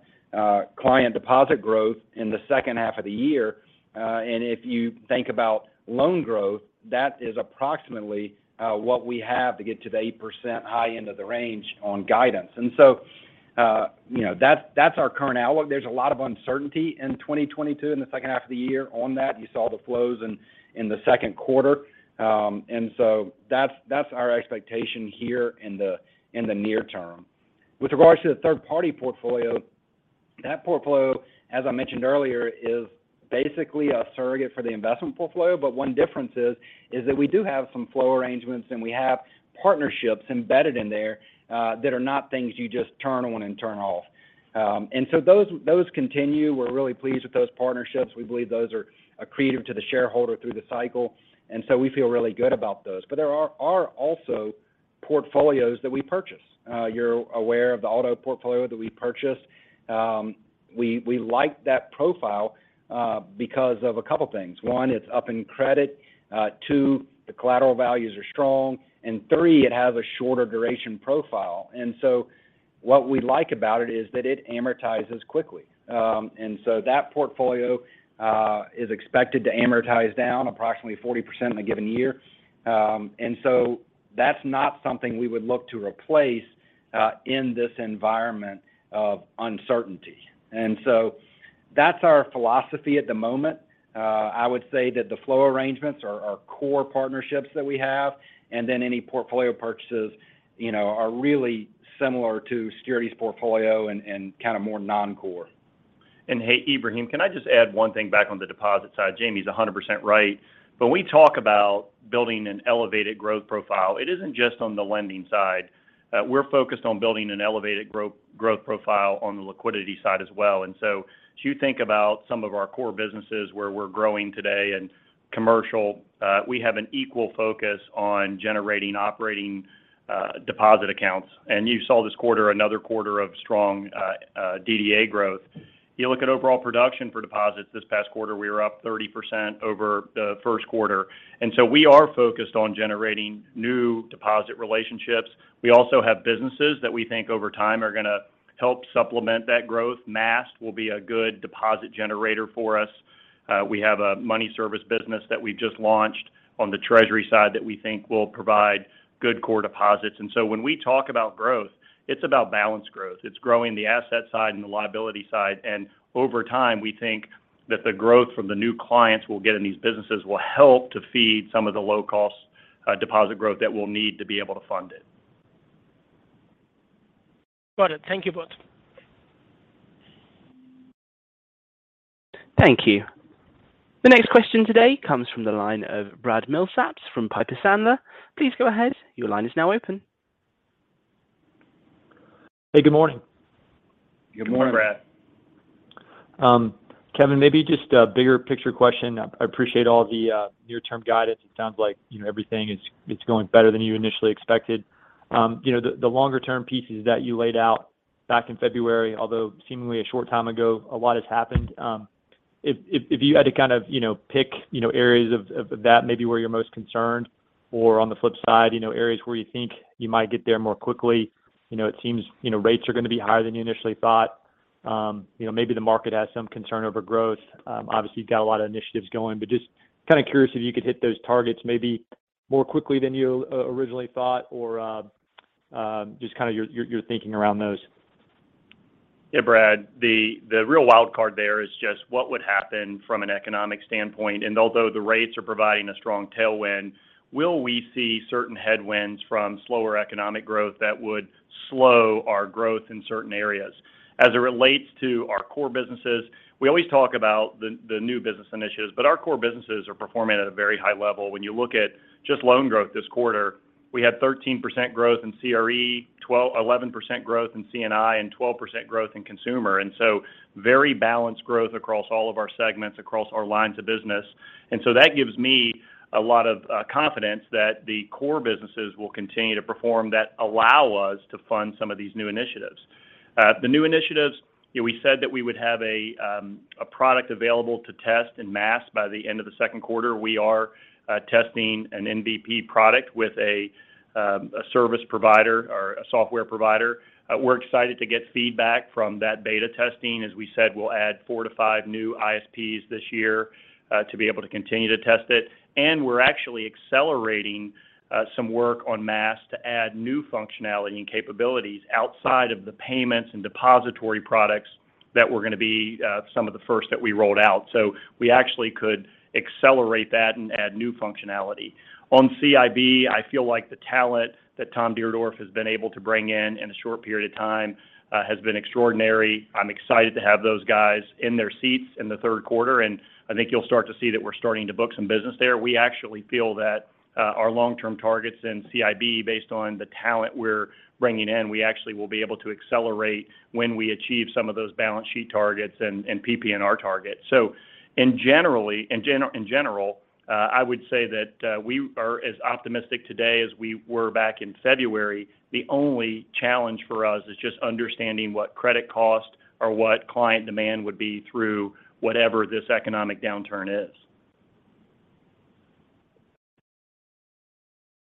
client deposit growth in the second half of the year. If you think about loan growth, that is approximately what we have to get to the 8% high end of the range on guidance. You know, that's our current outlook. There's a lot of uncertainty in 2022 in the second half of the year on that. You saw the flows in the second quarter. That's our expectation here in the near term. With regards to the third party portfolio, that portfolio, as I mentioned earlier, is basically a surrogate for the investment portfolio. But one difference is that we do have some flow arrangements and we have partnerships embedded in there that are not things you just turn on and turn off. Those continue. We're really pleased with those partnerships. We believe those are accretive to the shareholder through the cycle, and so we feel really good about those. There are also portfolios that we purchase. You're aware of the auto portfolio that we purchased. We like that profile because of a couple things. One, it's up in credit. Two, the collateral values are strong. Three, it has a shorter duration profile. What we like about it is that it amortizes quickly. That portfolio is expected to amortize down approximately 40% in a given year. That's not something we would look to replace in this environment of uncertainty. That's our philosophy at the moment. I would say that the flow arrangements are core partnerships that we have. Any portfolio purchases, you know, are really similar to securities portfolio and kind of more non-core. Hey, Ibrahim, can I just add one thing back on the deposit side? Jamie's 100% right. When we talk about building an elevated growth profile, it isn't just on the lending side. We're focused on building an elevated growth profile on the liquidity side as well. As you think about some of our core businesses where we're growing today in commercial, we have an equal focus on generating operating deposit accounts. You saw this quarter, another quarter of strong DDA growth. You look at overall production for deposits this past quarter, we were up 30% over the first quarter. We are focused on generating new deposit relationships. We also have businesses that we think over time are going to help supplement that growth. Maast will be a good deposit generator for us. We have a money service business that we just launched on the treasury side that we think will provide good core deposits. When we talk about growth, it's about balance growth. It's growing the asset side and the liability side. Over time, we think that the growth from the new clients we'll get in these businesses will help to feed some of the low-cost, deposit growth that we'll need to be able to fund it. Got it. Thank you both. Thank you. The next question today comes from the line of Brad Milsaps from Piper Sandler. Please go ahead. Your line is now open. Hey, good morning. Good morning. Good morning, Brad. Kevin, maybe just a bigger picture question. I appreciate all the near-term guidance. It sounds like, you know, everything is going better than you initially expected. You know, the longer-term pieces that you laid out back in February, although seemingly a short time ago, a lot has happened. If you had to kind of, you know, pick, you know, areas of that maybe where you're most concerned or on the flip side, you know, areas where you think you might get there more quickly. You know, it seems, you know, rates are gonna be higher than you initially thought. You know, maybe the market has some concern over growth. Obviously, you've got a lot of initiatives going, but just kinda curious if you could hit those targets maybe more quickly than you originally thought or just kinda your thinking around those. Yeah, Brad, the real wild card there is just what would happen from an economic standpoint. Although the rates are providing a strong tailwind, will we see certain headwinds from slower economic growth that would slow our growth in certain areas? As it relates to our core businesses, we always talk about the new business initiatives, but our core businesses are performing at a very high level. When you look at just loan growth this quarter, we had 13% growth in CRE, 11% growth in C&I, and 12% growth in consumer. That gives me a lot of confidence that the core businesses will continue to perform that allow us to fund some of these new initiatives. The new initiatives, you know, we said that we would have a product available to test in Maast by the end of the second quarter. We are testing an MVP product with a service provider or a software provider. We're excited to get feedback from that beta testing. As we said, we'll add 4-5 new ISVs this year to be able to continue to test it. We're actually accelerating some work on Maast to add new functionality and capabilities outside of the payments and depository products that were gonna be some of the first that we rolled out. We actually could accelerate that and add new functionality. On CIB, I feel like the talent that Thomas Dierdorff has been able to bring in in a short period of time has been extraordinary. I'm excited to have those guys in their seats in the third quarter, and I think you'll start to see that we're starting to book some business there. We actually feel that our long-term targets in CIB based on the talent we're bringing in, we actually will be able to accelerate when we achieve some of those balance sheet targets and PPNR targets. In general, I would say that we are as optimistic today as we were back in February. The only challenge for us is just understanding what credit costs or what client demand would be through whatever this economic downturn is.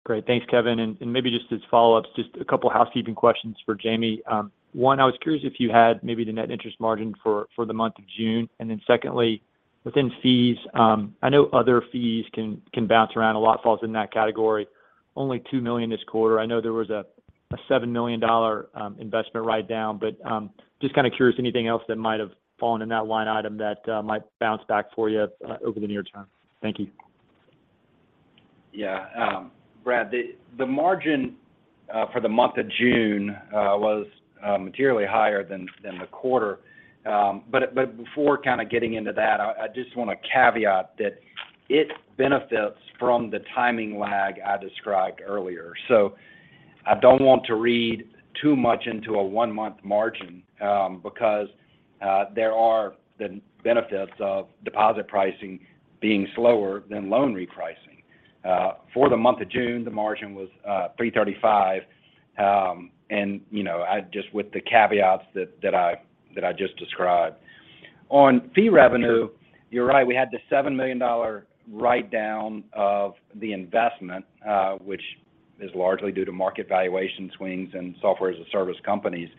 Great. Thanks, Kevin. Maybe just as follow-ups, just a couple housekeeping questions for Jamie. One, I was curious if you had maybe the net interest margin for the month of June. Secondly, within fees, I know other fees can bounce around. A lot falls in that category. Only $2 million this quarter. I know there was a $7 million investment write down. Just kinda curious anything else that might have fallen in that line item that might bounce back for you over the near term. Thank you. Yeah. Brad, the margin for the month of June was materially higher than the quarter. Before kinda getting into that, I just wanna caveat that it benefits from the timing lag I described earlier. I don't want to read too much into a one-month margin, because there are the benefits of deposit pricing being slower than loan repricing. For the month of June, the margin was 3.35%. You know, with the caveats that I just described. On fee revenue, you're right. We had a $7 million write-down of the investment, which is largely due to market valuation swings and software as a service companies.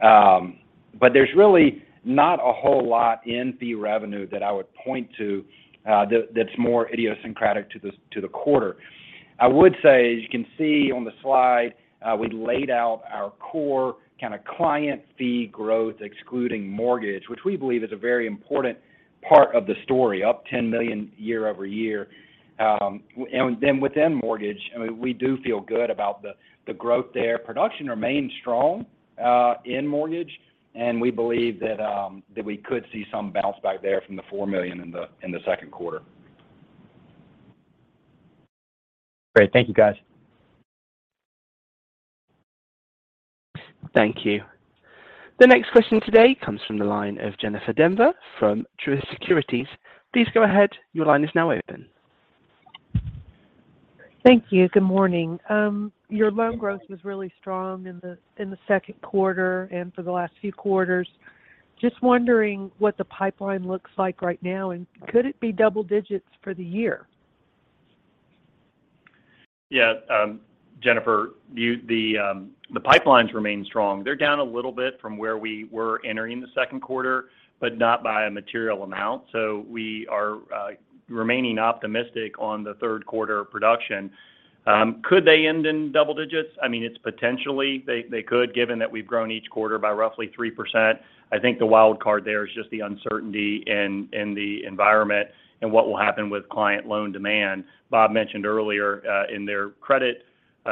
There's really not a whole lot in fee revenue that I would point to, that that's more idiosyncratic to the quarter. I would say, as you can see on the slide, we laid out our core kinda client fee growth excluding mortgage, which we believe is a very important part of the story, up $10 million year-over-year. And then within mortgage, I mean, we do feel good about the growth there. Production remains strong in mortgage, and we believe that we could see some bounce back there from the $4 million in the second quarter. Great. Thank you, guys. Thank you. The next question today comes from the line of Jennifer Demba from Truist Securities. Please go ahead. Your line is now open. Thank you. Good morning. Your loan growth was really strong in the second quarter and for the last few quarters. Just wondering what the pipeline looks like right now, and could it be double digits for the year? Yeah. Jennifer, the pipelines remain strong. They're down a little bit from where we were entering the second quarter, but not by a material amount. We are remaining optimistic on the third quarter production. Could they end in double digits? I mean, it's potentially they could, given that we've grown each quarter by roughly 3%. I think the wild card there is just the uncertainty in the environment and what will happen with client loan demand. Bob mentioned earlier in their credit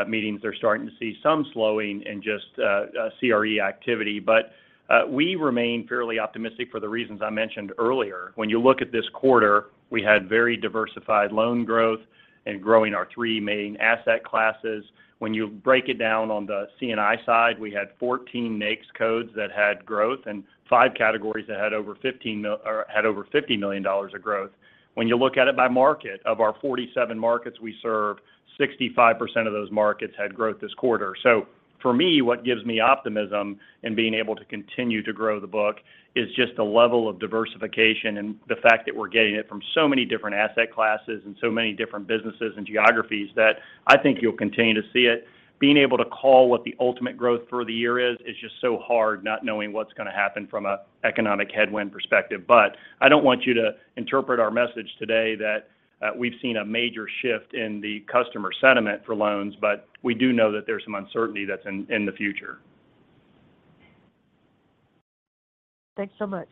meetings, they're starting to see some slowing in just CRE activity. We remain fairly optimistic for the reasons I mentioned earlier. When you look at this quarter, we had very diversified loan growth and growing our three main asset classes. When you break it down on the C&I side, we had 14 NAICS codes that had growth and five categories that had over $50 million of growth. When you look at it by market, of our 47 markets we serve, 65% of those markets had growth this quarter. For me, what gives me optimism in being able to continue to grow the book is just the level of diversification and the fact that we're getting it from so many different asset classes and so many different businesses and geographies that I think you'll continue to see it. Being able to call what the ultimate growth for the year is just so hard not knowing what's going to happen from an economic headwind perspective. I don't want you to interpret our message today that we've seen a major shift in the customer sentiment for loans. We do know that there's some uncertainty that's in the future. Thanks so much.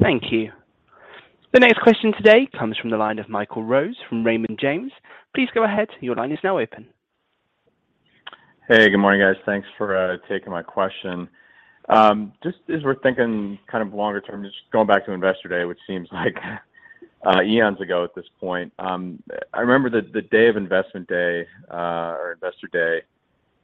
Thank you. The next question today comes from the line of Michael Rose from Raymond James. Please go ahead, your line is now open. Hey, good morning, guys. Thanks for taking my question. Just as we're thinking kind of longer term, just going back to Investor Day, which seems like eons ago at this point. I remember the day of Investor Day,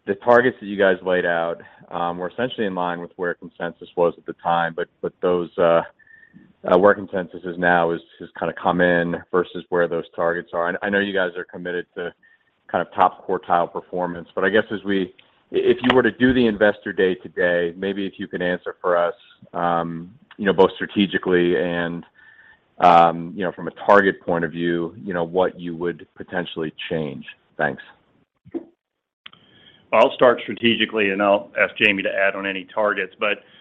the targets that you guys laid out were essentially in line with where consensus was at the time. But those where consensus is now has kind of come in versus where those targets are. I know you guys are committed to kind of top quartile performance, but I guess if you were to do the Investor Day today, maybe if you could answer for us, you know, both strategically and, you know, from a target point of view, you know, what you would potentially change. Thanks. I'll start strategically, and I'll ask Jamie to add on any targets.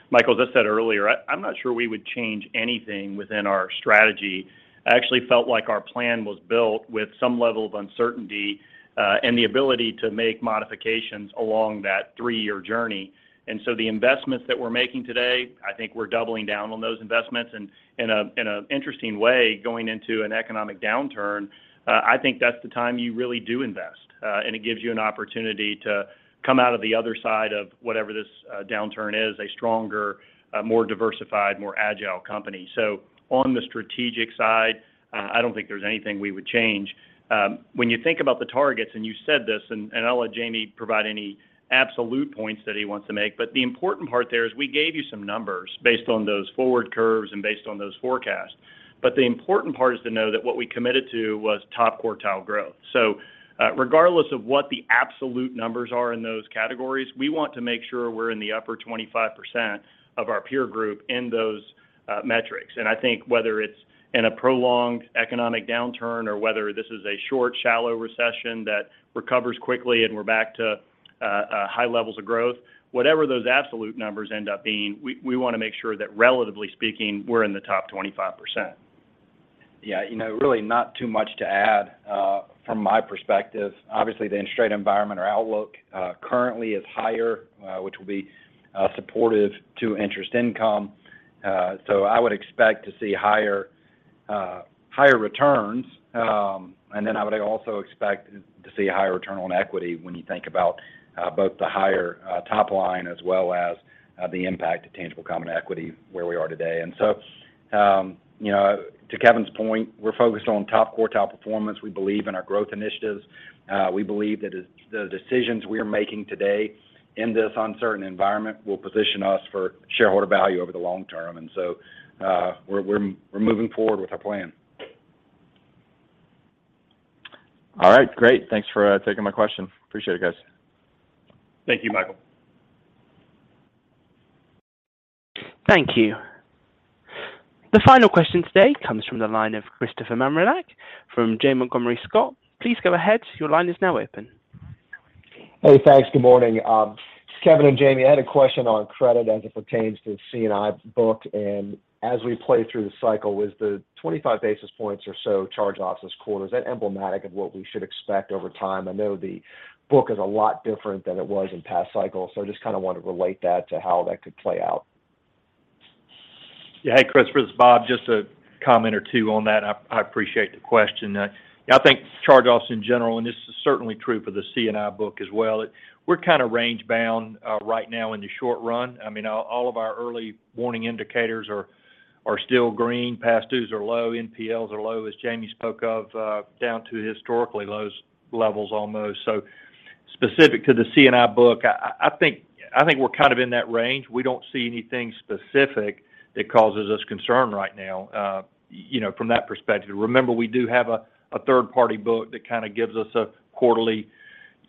Michael, as I said earlier, I'm not sure we would change anything within our strategy. I actually felt like our plan was built with some level of uncertainty, and the ability to make modifications along that three-year journey. The investments that we're making today, I think we're doubling down on those investments. In an interesting way, going into an economic downturn, I think that's the time you really do invest. It gives you an opportunity to come out of the other side of whatever this downturn is, a stronger, more diversified, more agile company. On the strategic side, I don't think there's anything we would change. When you think about the targets, and you said this, and I'll let Jamie provide any absolute points that he wants to make. The important part there is we gave you some numbers based on those forward curves and based on those forecasts. The important part is to know that what we committed to was top quartile growth. Regardless of what the absolute numbers are in those categories, we want to make sure we're in the upper 25% of our peer group in those metrics. I think whether it's in a prolonged economic downturn or whether this is a short, shallow recession that recovers quickly and we're back to high levels of growth, whatever those absolute numbers end up being, we want to make sure that relatively speaking, we're in the top 25%. Yeah, you know, really not too much to add from my perspective. Obviously, the interest rate environment or outlook currently is higher, which will be supportive to interest income. So I would expect to see higher returns. I would also expect to see a higher return on equity when you think about both the higher top line as well as the impact to tangible common equity where we are today. You know, to Kevin's point, we're focused on top quartile performance. We believe in our growth initiatives. We believe that the decisions we are making today in this uncertain environment will position us for shareholder value over the long term. We're moving forward with our plan. All right, great. Thanks for taking my question. Appreciate it, guys. Thank you, Michael. Thank you. The final question today comes from the line of Christopher Marinac from Janney Montgomery Scott. Please go ahead, your line is now open. Hey, thanks. Good morning. Kevin and Jamie, I had a question on credit as it pertains to C&I book. As we play through the cycle, was the 25 basis points or so charge-offs this quarter, is that emblematic of what we should expect over time? I know the book is a lot different than it was in past cycles, so I just kind of want to relate that to how that could play out. Yeah. Hey, Christopher, this is Bob. Just a comment or two on that. I appreciate the question. Yeah, I think charge-offs in general, and this is certainly true for the C&I book as well, we're kind of range bound right now in the short run. I mean, all of our early warning indicators are still green. Past dues are low, NPLs are low, as Jamie spoke of, down to historically low levels almost. Specific to the C&I book, I think we're kind of in that range. We don't see anything specific that causes us concern right now, you know, from that perspective. Remember, we do have a third-party book that kind of gives us quarterly,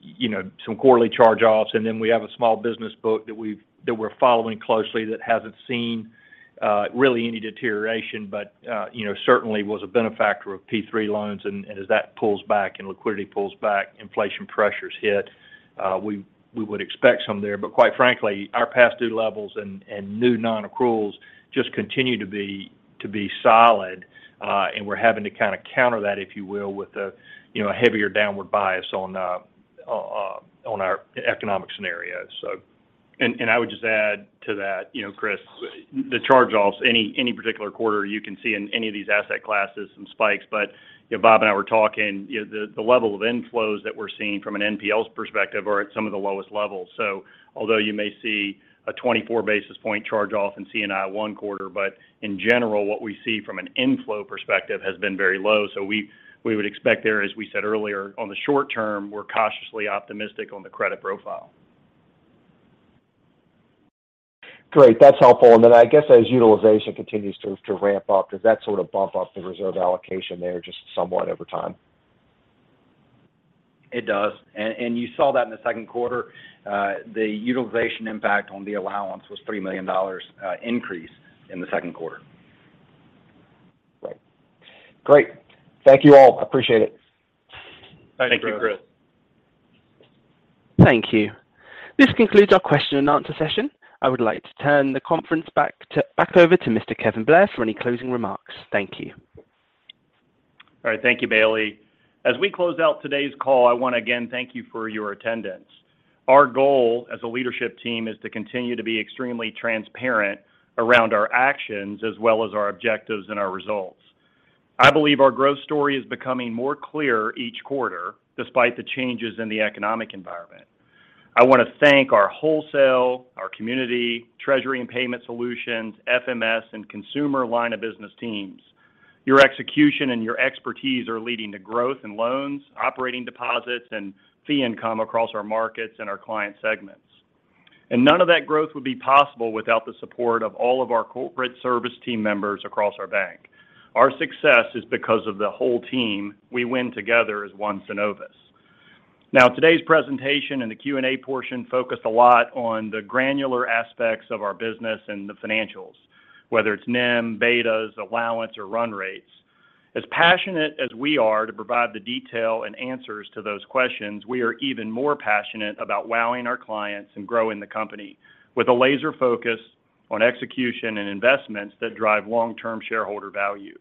you know, some quarterly charge-offs. We have a small business book that we're following closely that hasn't seen really any deterioration, but you know, certainly was a beneficiary of PPP loans. As that pulls back and liquidity pulls back, inflation pressures hit, we would expect some there. Quite frankly, our past due levels and new non-accruals just continue to be solid. We're having to kind of counter that, if you will, with a you know a heavier downward bias on our economic scenario. I would just add to that, you know, Chris, the charge-offs. Any particular quarter you can see in any of these asset classes some spikes. You know, Bob and I were talking, you know, the level of inflows that we're seeing from an NPLs perspective are at some of the lowest levels. Although you may see a 24 basis point charge-off in C&I one quarter, but in general, what we see from an inflow perspective has been very low. We would expect there, as we said earlier, on the short term, we're cautiously optimistic on the credit profile. Great. That's helpful. I guess as utilization continues to ramp up, does that sort of bump up the reserve allocation there just somewhat over time? It does. You saw that in the second quarter. The utilization impact on the allowance was $3 million increase in the second quarter. Right. Great. Thank you all. Appreciate it. Thank you, Chris. Thank you. This concludes our question and answer session. I would like to turn the conference back over to Mr. Kevin Blair for any closing remarks. Thank you. All right. Thank you, Bailey. As we close out today's call, I wanna, again, thank you for your attendance. Our goal as a leadership team is to continue to be extremely transparent around our actions as well as our objectives and our results. I believe our growth story is becoming more clear each quarter despite the changes in the economic environment. I want to thank our wholesale, our community, treasury and payment solutions, FMS, and consumer line of business teams. Your execution and your expertise are leading to growth in loans, operating deposits, and fee income across our markets and our client segments. None of that growth would be possible without the support of all of our corporate service team members across our bank. Our success is because of the whole team. We win together as one Synovus. Today's presentation and the Q&A portion focused a lot on the granular aspects of our business and the financials, whether it's NIM, betas, allowance or run rates. As passionate as we are to provide the detail and answers to those questions, we are even more passionate about wowing our clients and growing the company with a laser focus on execution and investments that drive long-term shareholder value.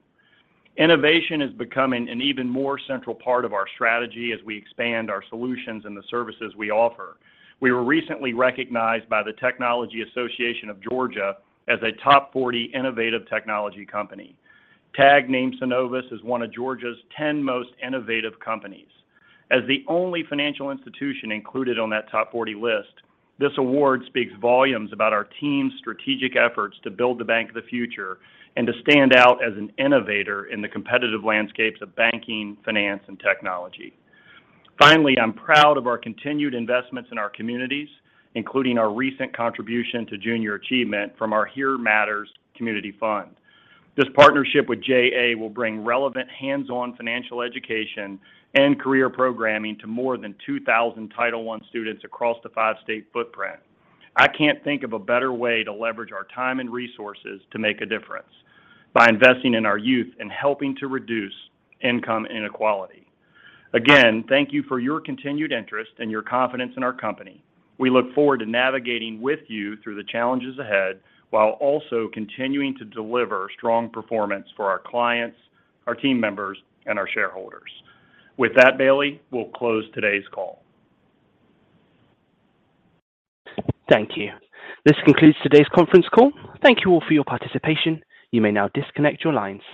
Innovation is becoming an even more central part of our strategy as we expand our solutions and the services we offer. We were recently recognized by the Technology Association of Georgia as a Top 40 Innovative Technology Companies. TAG named Synovus as one of Georgia's 10 most innovative companies. As the only financial institution included on that Top 40 list, this award speaks volumes about our team's strategic efforts to build the bank of the future and to stand out as an innovator in the competitive landscapes of banking, finance, and technology. Finally, I'm proud of our continued investments in our communities, including our recent contribution to Junior Achievement from our Here Matters community fund. This partnership with JA will bring relevant hands-on financial education and career programming to more than 2,000 Title I students across the five-state footprint. I can't think of a better way to leverage our time and resources to make a difference by investing in our youth and helping to reduce income inequality. Again, thank you for your continued interest and your confidence in our company. We look forward to navigating with you through the challenges ahead, while also continuing to deliver strong performance for our clients, our team members, and our shareholders. With that, Bailey, we'll close today's call. Thank you. This concludes today's conference call. Thank you all for your participation. You may now disconnect your line.